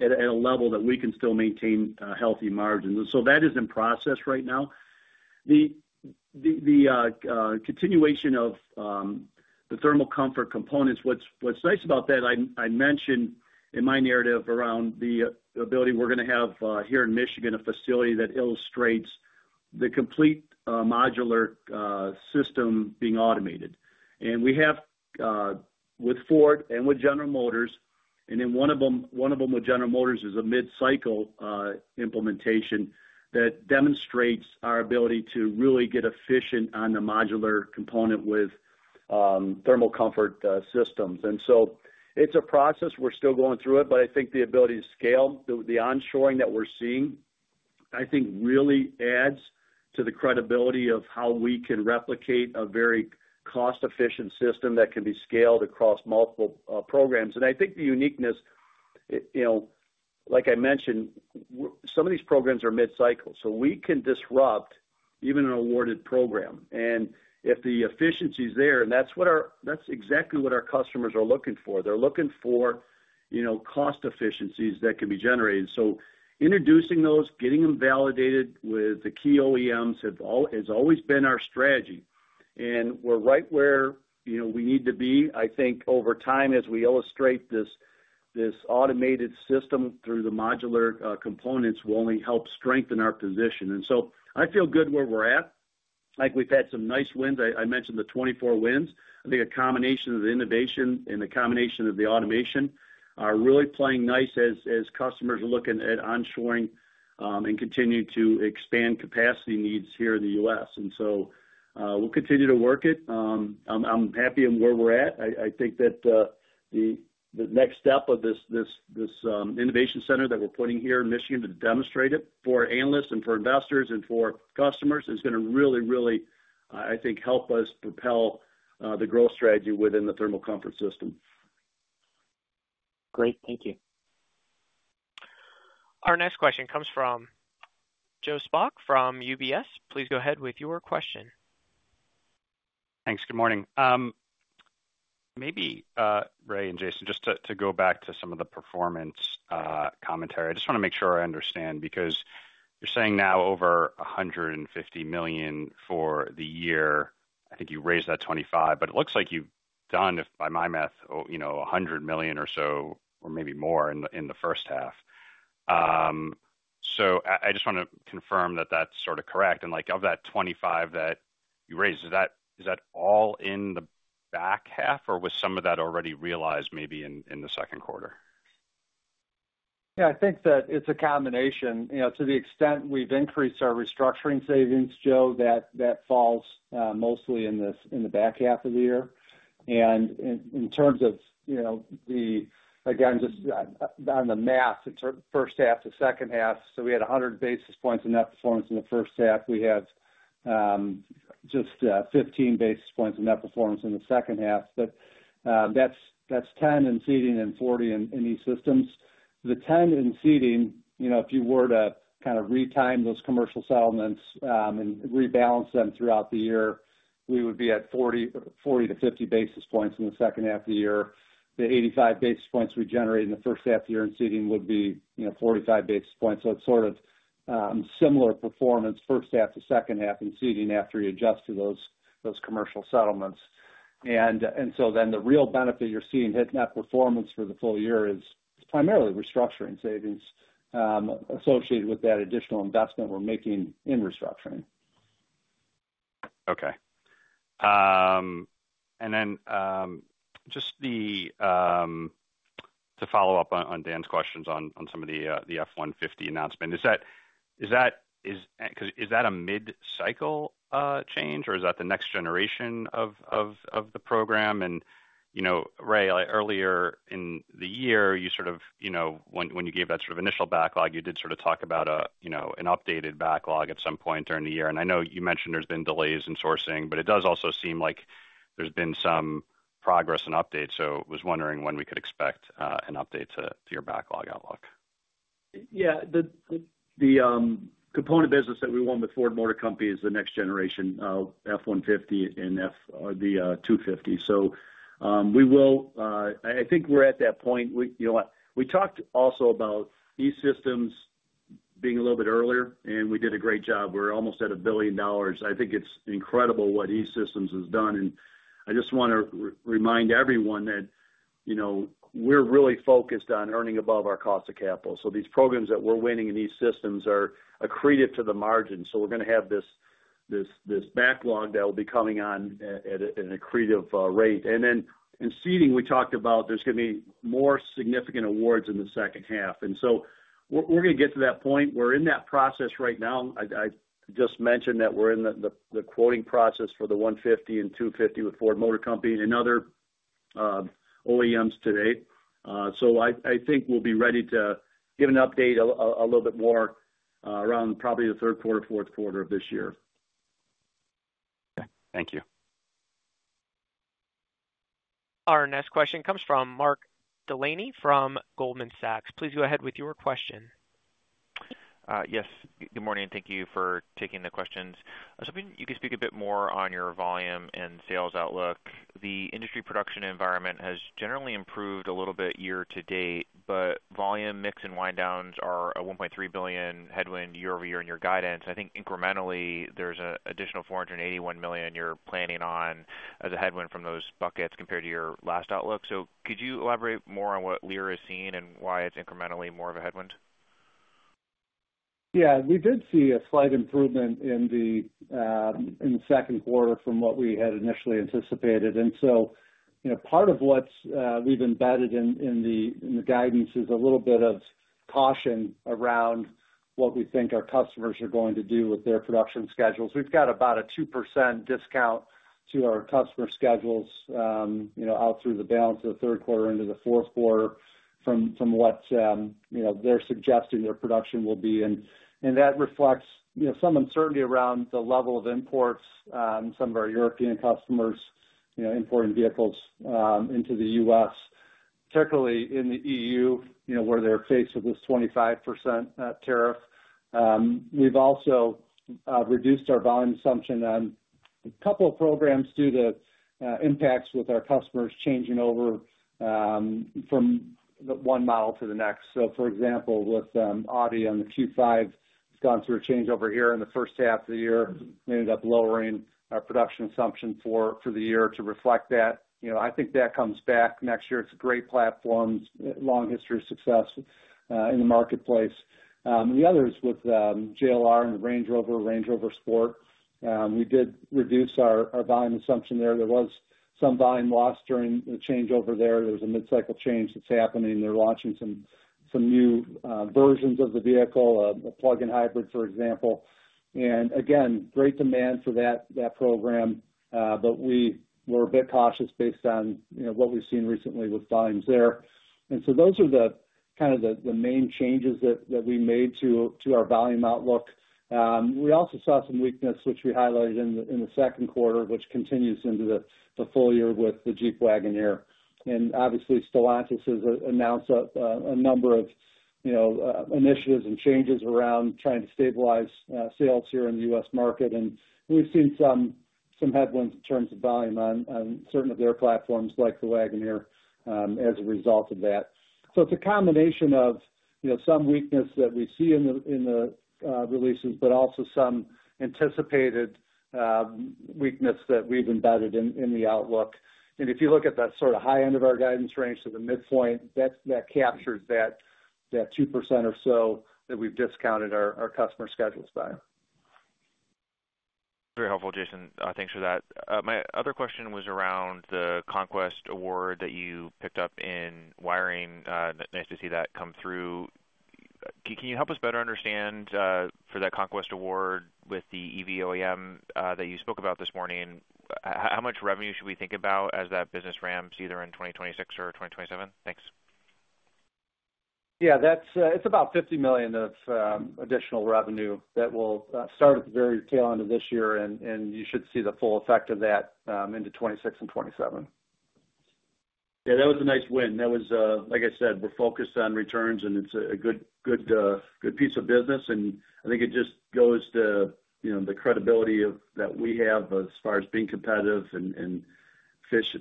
[SPEAKER 3] at a level that we can still maintain healthy margins. And so that is in process right now. The continuation of the thermal comfort components, what's nice about that, I mentioned in my narrative around the ability we're going to have here in Michigan, a facility that illustrates the complete modular system being automated. And we have with Ford and with General Motors and then one of them with General Motors is a mid cycle implementation that demonstrates our ability to really get efficient on the modular component with thermal comfort systems. And so it's a process, we're still going through it, but I think the ability to scale the onshoring that we're seeing, I think really adds to the credibility of how we can replicate a very cost efficient system that can be scaled across multiple programs. And I think the uniqueness, like I mentioned, some of these programs are mid cycle. So we can disrupt even an awarded program. And if the efficiency is there and that's what our that's exactly what our customers are looking for. They're looking for cost efficiencies that can be generated. So introducing those, getting them validated with the key OEMs has always been our strategy. And we're right where we need to be. I think over time as we illustrate this automated system through the modular components will only help strengthen our position. And so I feel good where we're at. Like we've had some nice wins. I mentioned the 24 wins. I think a combination of the innovation and the combination of the automation are really playing nice as customers are looking at onshoring and continue to expand capacity needs here in The U. S. And so we'll continue to work it. I'm happy in where we're at. I think that the next step of this innovation center that we're putting here in Michigan to demonstrate it for analysts and for investors and for customers is going to really, really, I think help us propel the growth strategy within the thermal comfort system.
[SPEAKER 5] Great. Thank you.
[SPEAKER 1] Our next question comes from Joe Spak from UBS. Please go ahead with your question.
[SPEAKER 6] Thanks. Good morning. Maybe Ray and Jason just to go back to some of the performance commentary. I just want to make sure I understand because you're saying now over $150,000,000 for the year. I think you raised that 25,000,000 but it looks like you've done, if by my math, dollars 100,000,000 or so or maybe more in first half. So I just want to confirm that that's sort of correct. And like of that $25,000,000 that you raised, is that all in the back half or was some of that already realized maybe in the second quarter?
[SPEAKER 4] Yes. I think that it's a combination. To the extent we've increased our restructuring savings, Joe, falls mostly in the back half of the year. And in terms of the again, just on the math, it's first half to second half. So we had 100 basis points in net performance in the first half. We have just 15 basis points in net performance in the second half. But that's 10 in Seating and 40 in E Systems. The 10 in Seating, if you were to kind of retime those commercial settlements and rebalance them throughout the year, we would be at 40 to 50 basis points in the second half of the year. The 85 basis points we generate in the first half of year in Seating would be 45 basis points. So it's sort of similar performance first half to second half in Seating after you adjust to those commercial settlements. And so then the real benefit you're seeing hitting that performance for the full year is primarily restructuring savings associated with that additional investment we're making in restructuring. Okay.
[SPEAKER 6] And then just the to follow-up on Dan's questions on some of the F-one 150 announcement. Is that a mid cycle change? Or is that the next generation of the program? And Ray earlier in the year you sort of when you gave that sort of initial backlog you did sort of talk about an updated backlog at some point during the year. And I know you mentioned there's been delays in sourcing, but it does also seem like there's been some progress and updates. So I was wondering when we could expect an update to your backlog outlook?
[SPEAKER 3] Yes. The component business that we won with Ford Motor Company is the next generation F-one 150 and F or the two fifty. So we will I think we're at that point. Talked also about E Systems being a little bit earlier and we did a great job. We're almost at $1,000,000,000 I think it's incredible what E Systems has done. And I just want to remind everyone that we're really focused on earning above our cost of capital. So these programs that we're winning in E Systems are accretive to the margin. So we're going to have this backlog that will be coming on at an accretive rate. And then in Seating, talked about there's going to be more significant awards in the second half. And so we're going to get to that point. We're in that process right now. I just mentioned that we're in the quoting process for the 01/1950 and February with Ford Motor Company and other OEMs today. So I think we'll be ready to give an update a little bit more around probably the third quarter, fourth quarter of this year.
[SPEAKER 6] Okay. Thank you.
[SPEAKER 1] Our next question comes from Mark Delaney from Goldman Sachs. Please go ahead with your question.
[SPEAKER 7] Yes. Good morning. Thank you for taking the questions. I was hoping you could speak a bit more on your volume and sales outlook. The industry production environment has generally improved a little bit year to date, but volume mix and wind downs are a $1,300,000,000 headwind year over year in your guidance. I think incrementally there's an additional $481,000,000 you're planning on as a headwind from those buckets compared to your last outlook. So could you elaborate more on what Lear is seeing and why it's incrementally more of a headwind?
[SPEAKER 4] Yes. We did see a slight improvement in the second quarter from what we had initially anticipated. And part of what we've embedded in the guidance is a little bit of caution around what we think our customers are going to do with their production schedules. We've got about a 2% discount to our customer schedules out through the balance of the third quarter into the fourth quarter from what they're suggesting their production will be. And that reflects some uncertainty around the level of imports, some of our European customers importing vehicles into The U. S, particularly in The EU, where they're faced with this 25% tariff. We've also reduced our volume assumption on a couple of programs due to impacts with our customers changing over from one model to the next. So for example, with Audi on the Q5, it's gone through a changeover here in the first half of the year, we ended up lowering our production assumption for the year to reflect that. I think that comes back next year. It's a great platform, long history of success in the marketplace. The others with JLR and Range Rover, Range Rover Sport, We did reduce our volume assumption there. There was some volume loss during the changeover there. There was a mid cycle change that's happening. They're launching some new versions of the vehicle, a plug in hybrid, for example. And again, great demand for that program, but we were a bit cautious based on what we've seen recently with volumes there. And so those are the kind of the main changes that we made to our volume outlook. We also saw some weakness, which we highlighted in second quarter, which continues into the full year with the Jeep Wagoneer. And obviously, Stellantis has announced a number of initiatives and changes around trying to stabilize sales here in The U. S. Market. And we've seen some headwinds in terms of volume on certain of their platforms like the Wagoneer as a result of that. So it's a combination of some weakness that we see in the releases, but also some anticipated weakness that we've embedded in the outlook. And if you look at that sort of high end of our guidance range to the midpoint that captures that 2% or so that we've discounted our customer schedules by.
[SPEAKER 7] Very helpful, Jason. Thanks for that. My other question was around the conquest award that you picked up in wiring. Nice to see that come through. Can you help us better understand for that conquest award with the EV OEM that you spoke about this morning, much revenue should we think about as that business ramps either in 2026 or 2027? Thanks.
[SPEAKER 4] Yes, that's it's about $50,000,000 of additional revenue that will start at the very tail end of this year and you should see the full effect of that into 2026 and 2027. Yes.
[SPEAKER 3] That was a nice win. That was like I said, we're focused on returns and it's a good piece of business. And I think it just goes to the credibility of that we have as far as being competitive and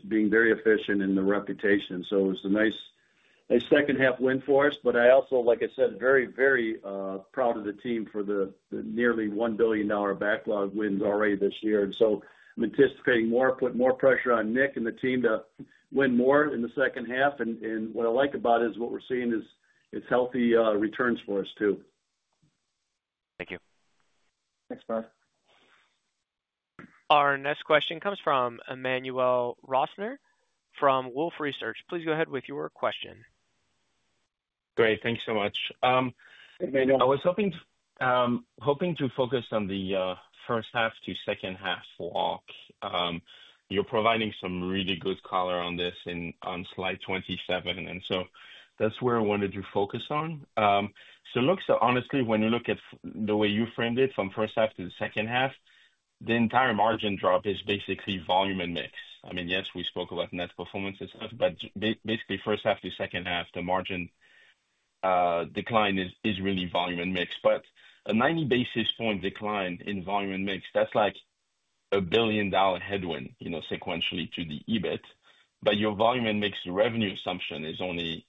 [SPEAKER 3] being very efficient in the reputation. So it was a nice second half win for us. But I also, like I said, very, very proud of the team for the nearly $1,000,000,000 backlog wins already this year. And so I'm anticipating more, put more pressure on Nick and the team to win more in the second half. And what I like about it is what we're seeing is healthy returns for us too.
[SPEAKER 7] Thank you.
[SPEAKER 3] Thanks, Bob.
[SPEAKER 1] Our next question comes from Emmanuel Rosner from Wolfe Research.
[SPEAKER 8] I was hoping to focus on the first half to second half walk. You're providing some really good color on this on Slide 27. And so that's where I wanted to focus on. So look, honestly, when you look at the way you framed it from first half to the second half, the entire margin drop is basically volume and mix. I mean, yes, we spoke about net performance and stuff, but basically first half to second half, the margin decline is really volume and mix. But a 90 basis point decline in volume and mix, that's like $1,000,000,000 headwind sequentially to the EBIT. But your volume and mix revenue assumption is only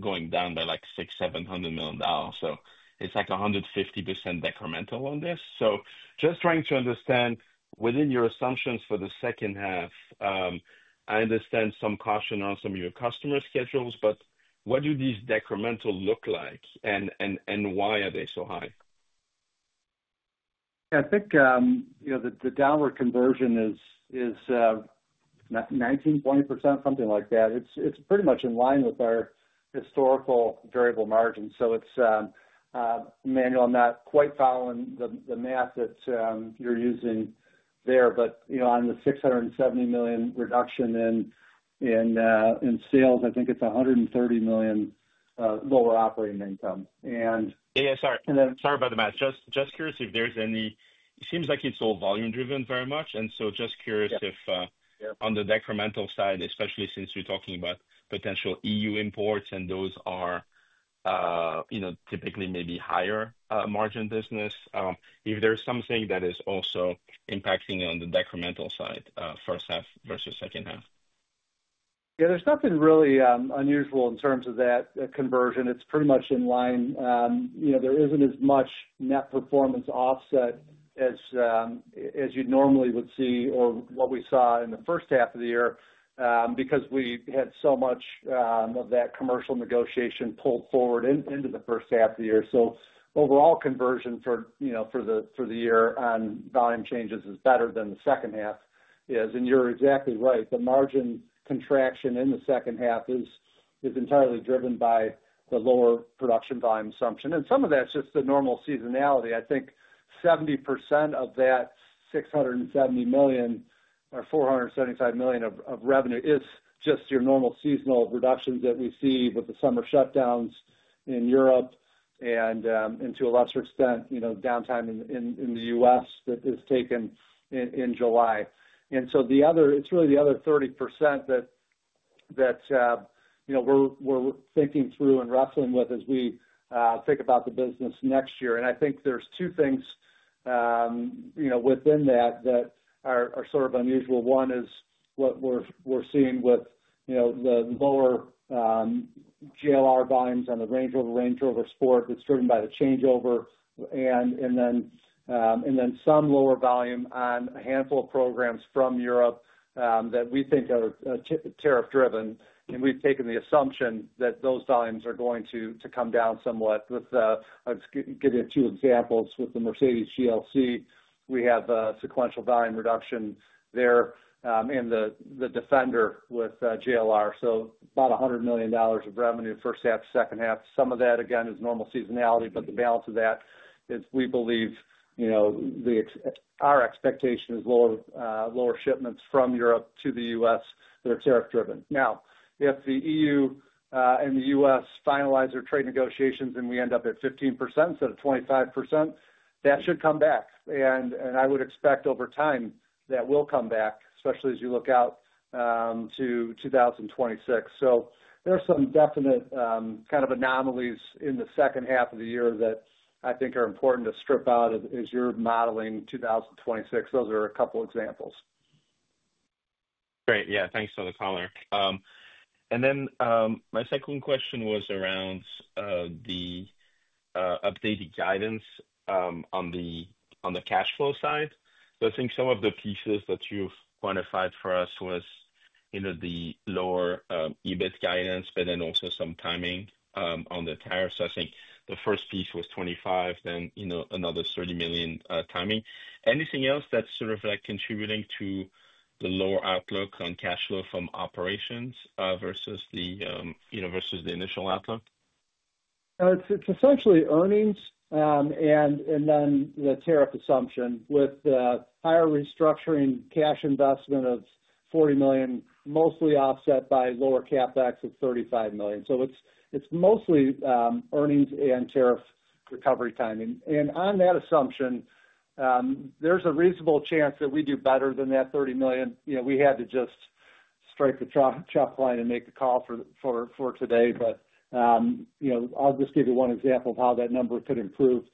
[SPEAKER 8] going down by like $6.700000000 dollars So it's like 150% decremental on this. So just trying to understand within your assumptions for the second half, I understand some caution on some of your customer schedules, but what do these decremental look like? And why are they so high?
[SPEAKER 4] I think the downward conversion is 19.8% something like that. It's pretty much in line with our historical variable margin. So it's manual, I'm not quite following the math that you're using there. But on the $670,000,000 reduction in sales, I think it's $130,000,000 lower operating income.
[SPEAKER 8] Yes. Sorry about the math. Just curious if there's any it seems like it's all volume driven very much. And so just curious if on the decremental side, especially since you're talking about potential EU imports and those are typically maybe higher margin business, if there's something that is also impacting on the decremental side first half versus second half?
[SPEAKER 4] Yes, there's nothing really unusual in terms of that conversion. It's pretty much in line. There isn't as much net performance offset as you normally would see or what we saw in the first half of the year, because we had so much of that commercial negotiation pulled forward into the first half of the year. So overall conversion for the year on volume changes is better than the second half. And you're exactly right, the margin contraction in the second half is entirely driven by the lower production volume assumption. And some of that's just the normal seasonality. I think 70% of that $670,000,000 or $475,000,000 of revenue is just your normal seasonal reductions that we see with the summer shutdowns in Europe and to a lesser extent downtime in The U. S. That is taken in July. And so the other it's really the other 30% that we're thinking through and wrestling with as we think about the business next year. And I think there's two things within that are sort of unusual. One is what we're seeing with the lower JLR volumes on the Range Rover Sport that's driven by the changeover and then some lower volume on a handful of programs from Europe that we think are tariff driven. And we've taken the assumption that those volumes are going to come down somewhat with I'll just give you two examples. With the Mercedes GLC, we have sequential volume reduction there and the Defender with JLR. So about $100,000,000 of revenue first half, second half. Some of that, again, is normal seasonality, but the balance of that is we believe the our expectation is lower shipments from Europe to The U. S. That are tariff driven. Now, if the EU and The U. S. Finalize their trade negotiations and we end up at 15% instead of 25%, that should come back. And I would expect over time that will come back, especially as you look out to 2026. So there are some definite kind of anomalies in the second half of the year that I think are important to strip out as you're modeling 2026. Those are a couple of examples.
[SPEAKER 8] Great. Yes. Thanks for the color. And then my second question was around the updated guidance on the cash flow side. So I think some of the pieces that you've quantified for us was the lower EBIT guidance, but then also some timing on the tariffs. I think the first piece was 25,000,000 then another $30,000,000 timing. Anything else that's sort of like contributing to the lower outlook on cash flow from operations versus the initial outlook?
[SPEAKER 4] It's essentially earnings and then the tariff assumption with higher restructuring cash investment of $40,000,000 mostly offset by lower CapEx of $35,000,000 So it's mostly earnings and tariff recovery timing. And on that assumption, there's a reasonable chance that we do better than that $30,000,000 We had to just strike the chalk line and make the call for today. But I'll just give you one example of how that number could improve.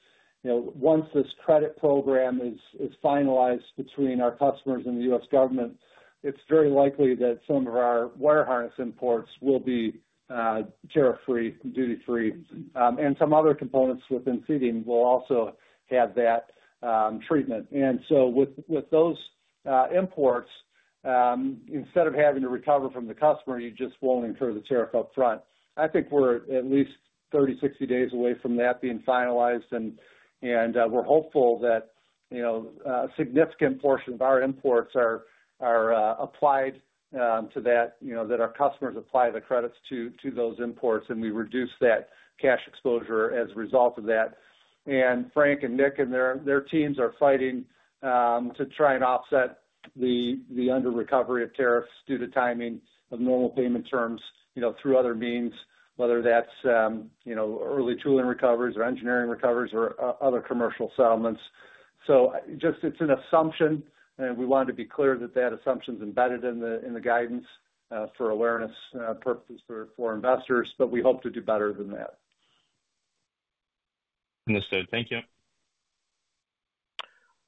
[SPEAKER 4] Once this credit program is finalized between our customers and the U. S. Government, it's very likely that some of our wire harness imports will be tariff free, duty free. And some other components within Seating will also have that treatment. And so with those imports, instead of having to recover from the customer, you just won't incur the tariff upfront. I think we're at least thirty, sixty days away from that being finalized and we're hopeful that a significant portion of our imports are applied to that, that our customers apply the credit to those imports and we reduce that cash exposure as a result of that. And Frank and Nick and their teams are fighting to try and offset the under recovery of tariffs due to timing of normal payment terms through other means, whether that's early tooling recoveries or engineering recoveries or other commercial settlements. So just it's an assumption and we wanted to be clear that that assumption is embedded in guidance for awareness purposes for investors, but we hope to do better than that.
[SPEAKER 8] Understood. Thank you.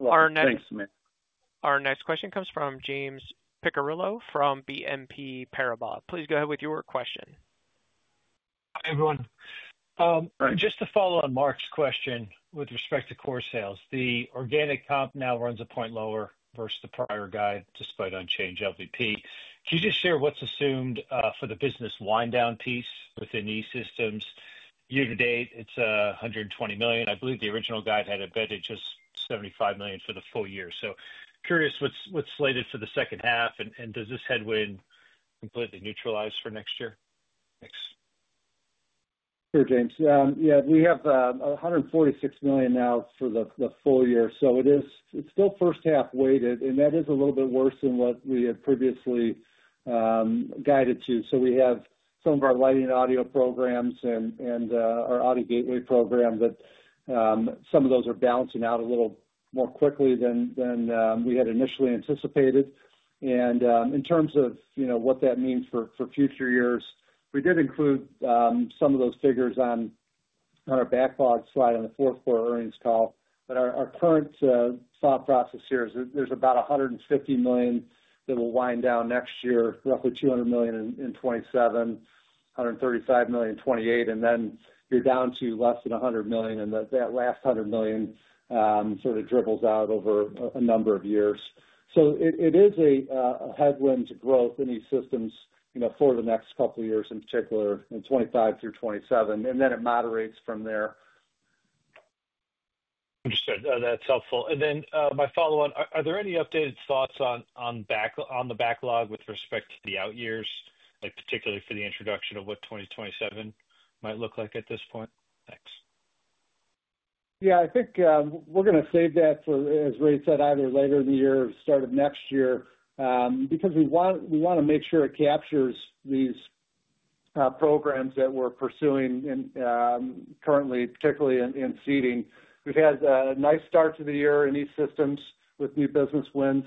[SPEAKER 3] Thanks, Matt.
[SPEAKER 1] Next question comes from James Picariello from BNP Paribas. Please go ahead with your question.
[SPEAKER 9] Hi, everyone. Just to follow on Mark's question with respect to core sales. The organic comp now runs a point lower versus the prior guide despite unchanged LVP. Can you just share what's assumed for the business wind down piece within E Systems? Year to date, it's $120,000,000 I believe the original guide had embedded just $75,000,000 for the full year. So curious what's slated for the second half? And does this headwind completely neutralize for next year? Thanks.
[SPEAKER 4] Sure, James. Yes, we have $146,000,000 now for the full year. So it is it's still first half weighted, and that is a little bit worse than what we had previously guided to. So we have some of our lighting and audio programs and our audio gateway program that some of those are bouncing out a little more quickly than we had initially anticipated. And in terms of what that means for future years, we did include some of those figures on our backlog slide on the fourth quarter earnings call. But our current thought process here is there's about $150,000,000 that will wind down next year, roughly $200,000,000 in 2027, dollars 135,000,000 in 2028 and then you're down to less than $100,000,000 and that last 100,000,000 sort of dribbles out over a number of years. So it is a headwind to growth in E Systems for the next couple of years, in particular, in 2025 through 2027, and then it moderates from there.
[SPEAKER 9] Understood. That's helpful. And then my follow on, are there any updated thoughts on the backlog with respect to the out years, like particularly for the introduction of what 2027 might look like at this point? Thanks.
[SPEAKER 4] Yes. I think we're going to save that for as Ray said either later in the year or start of next year, because we want to make sure it captures these programs that we're pursuing currently particularly in Seating. We've had a nice start to the year in E Systems with new business wins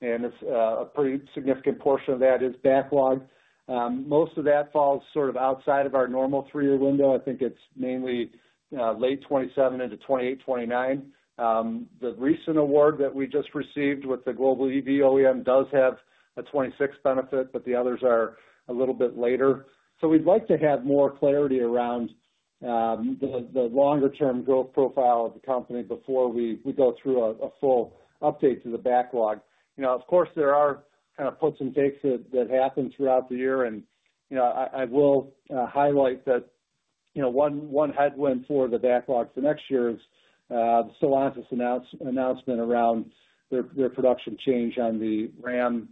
[SPEAKER 4] and it's a pretty significant portion of that is backlog. Most of that falls sort of outside of our normal three year window. I think it's mainly late twenty twenty seven into 2028, 2029. The recent award that we just received with the global EV OEM does have a 2026 benefit, but the others are a little bit later. So we'd like to have more clarity around the longer term growth profile of the company before we go through a full update to the backlog. Of course, there are kind of puts and takes that happen throughout the year. And I will highlight that one headwind for the backlog for next year is Cilantis announcement around their production change on the Ram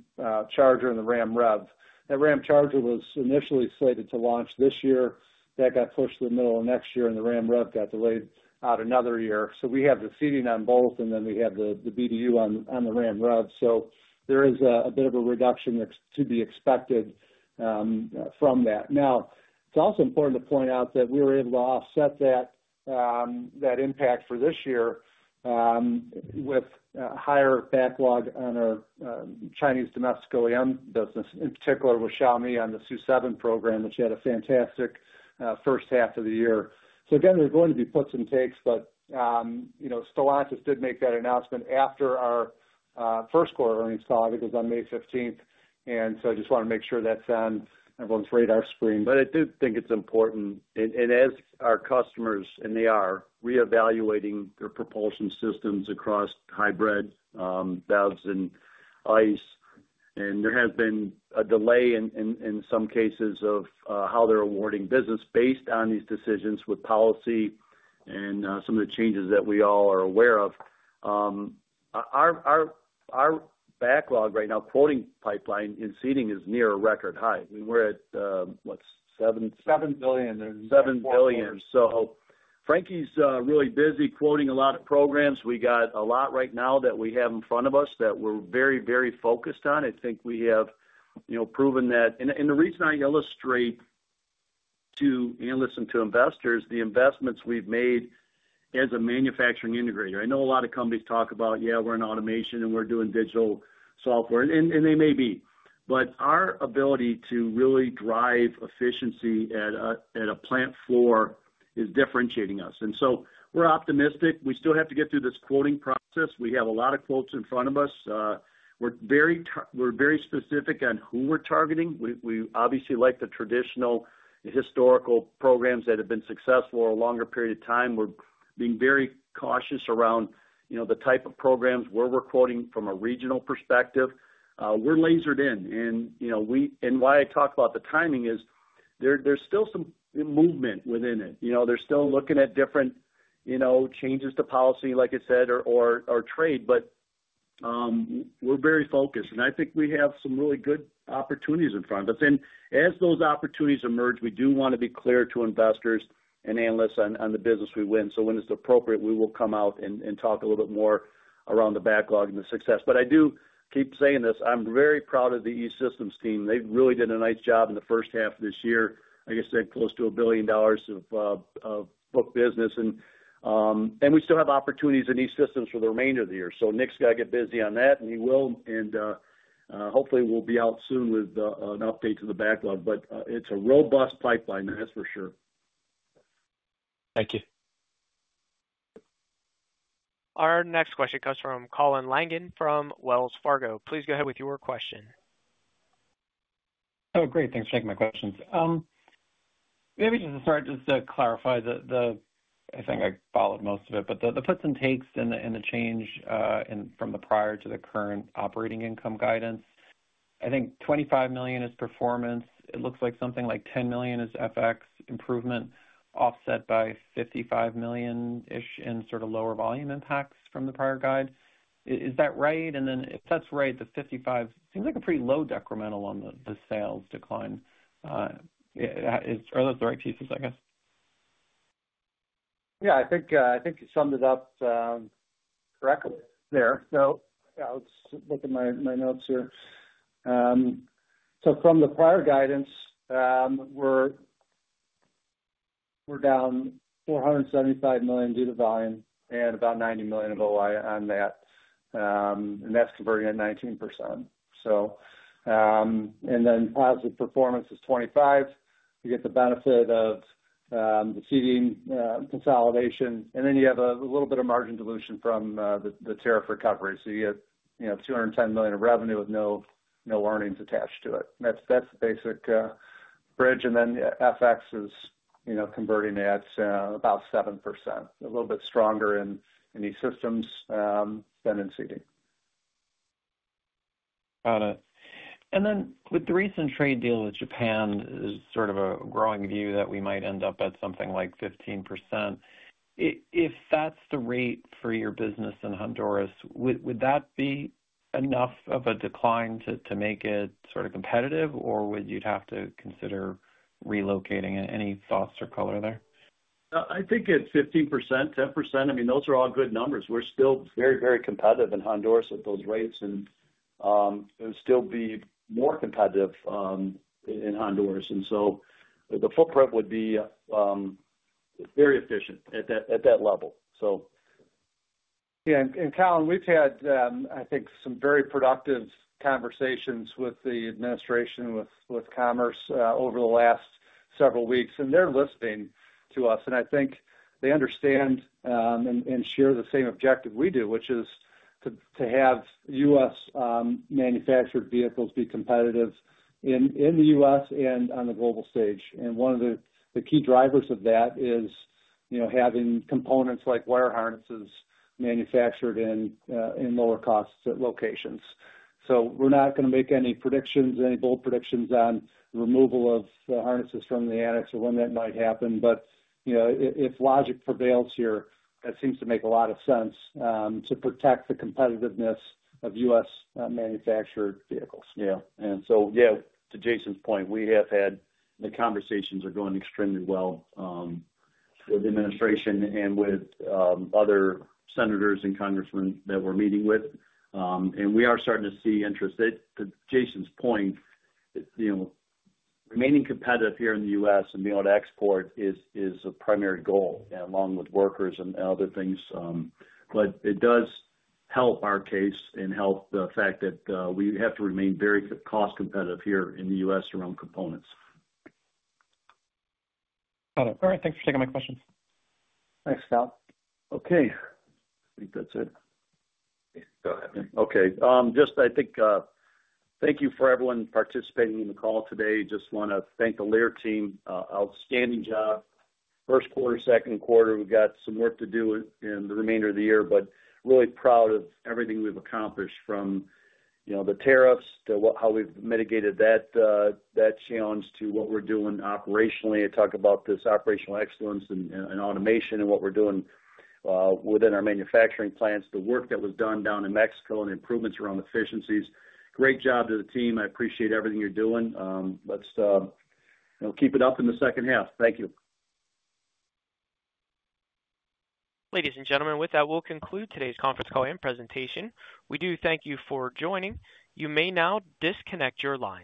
[SPEAKER 4] charger and the Ram rev. That Ram charger was initially slated to launch this year. That got pushed to the middle of next year and the Ram rev got delayed out another year. So we have the seating on both and then we have the BDU on the Ram rev. So there is a bit of a reduction to be expected from that. Now it's also important to point out that we were able to offset that impact for this year with higher backlog on our Chinese domestic OEM business, in particular with Xiaomi on the Su-seven program, which had a fantastic first half of the year. So again, there's going to be puts and takes, but Stellantis did make that announcement after our first quarter earnings call, I think it was on May 15. And so I just want to make sure that's on everyone's radar screen.
[SPEAKER 3] But I do think it's important and as our customers and they are reevaluating their propulsion systems across hybrid valves and ice And there has been a delay in some cases of how they're awarding business based on these decisions with policy and some of the changes that we all are aware of. Our backlog right now quoting pipeline in Seating is near a record high. We were at what 7,000,000,007 So Frankie is really busy quoting a lot of programs. We got a lot right now that we have in front of us that we're very, very focused on. I think we have proven that. And the reason I illustrate to analysts and to investors, the investments we've made as a manufacturing integrator. I know a lot of companies talk about, yes, we're in automation and we're doing digital software and they may be. But our ability to really drive efficiency at a plant floor is differentiating us. And so we're optimistic. We still have to get through this quoting process. We have a lot of quotes in front of us. We're very specific on who we're targeting. We obviously like the traditional historical programs that have been successful for a longer period of time. We're being very cautious around the type of programs where we're quoting from a regional perspective. We're lasered in and we and why I talk about the timing is, there's still some movement within it. They're still looking at different changes to policy like I said or trade, but we're very focused. And I think we have some really good opportunities in front of us. As those opportunities emerge, we do want to be clear to investors and analysts on the business we win. So when it's appropriate, we will come out and talk a little bit more around the backlog and the success. But I do keep saying this, I'm very proud of the E Systems team. They've really done a nice job in the first half of this year. I guess they're close to $1,000,000,000 of book business And we still have opportunities in E Systems for the remainder of the year. So Nick's got to get busy on that and he will. And hopefully, we'll be out soon with an update to the backlog. But it's a robust pipeline, that's for sure.
[SPEAKER 9] Thank you.
[SPEAKER 1] Our next question comes from Colin Langan from Wells Fargo. Please go ahead with your question.
[SPEAKER 10] Great. Thanks for taking my questions. Maybe just to clarify the I think I followed most of it, but the puts and takes and the change from the prior to the current operating income guidance. I think $25,000,000 is performance. It looks like something like $10,000,000 is FX improvement, offset by 55,000,000 ish in sort of lower volume impacts from the prior guide. Is that right? And then if that's right, the 55,000,000 seems like a pretty low decremental on the sales decline. Are those the right pieces, I guess?
[SPEAKER 4] Yes. I think you summed it up correctly there. So, yes, I'll at my notes here. So, from the prior guidance, we're down $475,000,000 due to volume and about $90,000,000 of OI on that and that's converting at 19%. So then positive performance is 25%. You get the benefit of the Seating consolidation and then you have a little bit of margin dilution from the tariff recovery. So you get $210,000,000 of revenue with no earnings attached to it. That's the basic bridge. And then FX is converting at about 7%, a little bit stronger in E Systems than in Seating.
[SPEAKER 10] Got it. And then with the recent trade deal with Japan, sort of a growing view that we might end up at something like 15%. If that's the rate for your business in Honduras, would that be enough of a decline to make it sort of competitive? Or would you have to consider relocating? Any thoughts or color there?
[SPEAKER 3] I think at 15%, 10%, I mean those are all good numbers. We're still very, very competitive in Honduras at those rates and still be more competitive in Honduras. And so the footprint would be very efficient at level.
[SPEAKER 4] Yes. And Colin, we've had, I think, some very productive conversations with the administration with Commerce over the last several weeks, and they're listening to us. And I think they understand and share the same objective we do, which is to have U. S. Manufactured vehicles be competitive in The U. S. And on the global stage. And one of the key drivers of that is having components like wire harnesses manufactured in lower costs at locations. So we're not going to make any predictions, any bold predictions on removal of harnesses from the annex or when that might happen. But if logic prevails here, that seems to make a lot of sense to protect the competitiveness of U. S. Manufactured vehicles.
[SPEAKER 3] Yes. And so, yes, to Jason's point, we have had the conversations are going extremely well with the administration and with other senators and congressmen that we're meeting with. And we are starting to see interest. To Jason's point, remaining competitive here in The U. S. In the export is a primary goal along with workers and other things. But it does help our case and help the fact that we have to remain very cost competitive here in The U. S. Around components.
[SPEAKER 10] Got it. All Thanks for taking my questions.
[SPEAKER 3] Thanks, Scott. Okay. I think that's it. Okay. Just I think thank you for everyone participating in the call today. Just want to thank the Lear team, outstanding job. First quarter, second quarter, we've got some work to do in the remainder of the year, but really proud of everything we've accomplished from the tariffs to how we've mitigated that challenge to what we're doing operationally. I talk about this operational excellence and automation and what we're doing within our manufacturing plants, the work that was done down in Mexico and improvements around efficiencies. Great job to the team. I appreciate everything you're doing. Let's keep it up in the second half. Thank you.
[SPEAKER 1] Ladies and gentlemen, with that, we'll conclude today's conference call and presentation. We do thank you for joining. You may now disconnect your lines.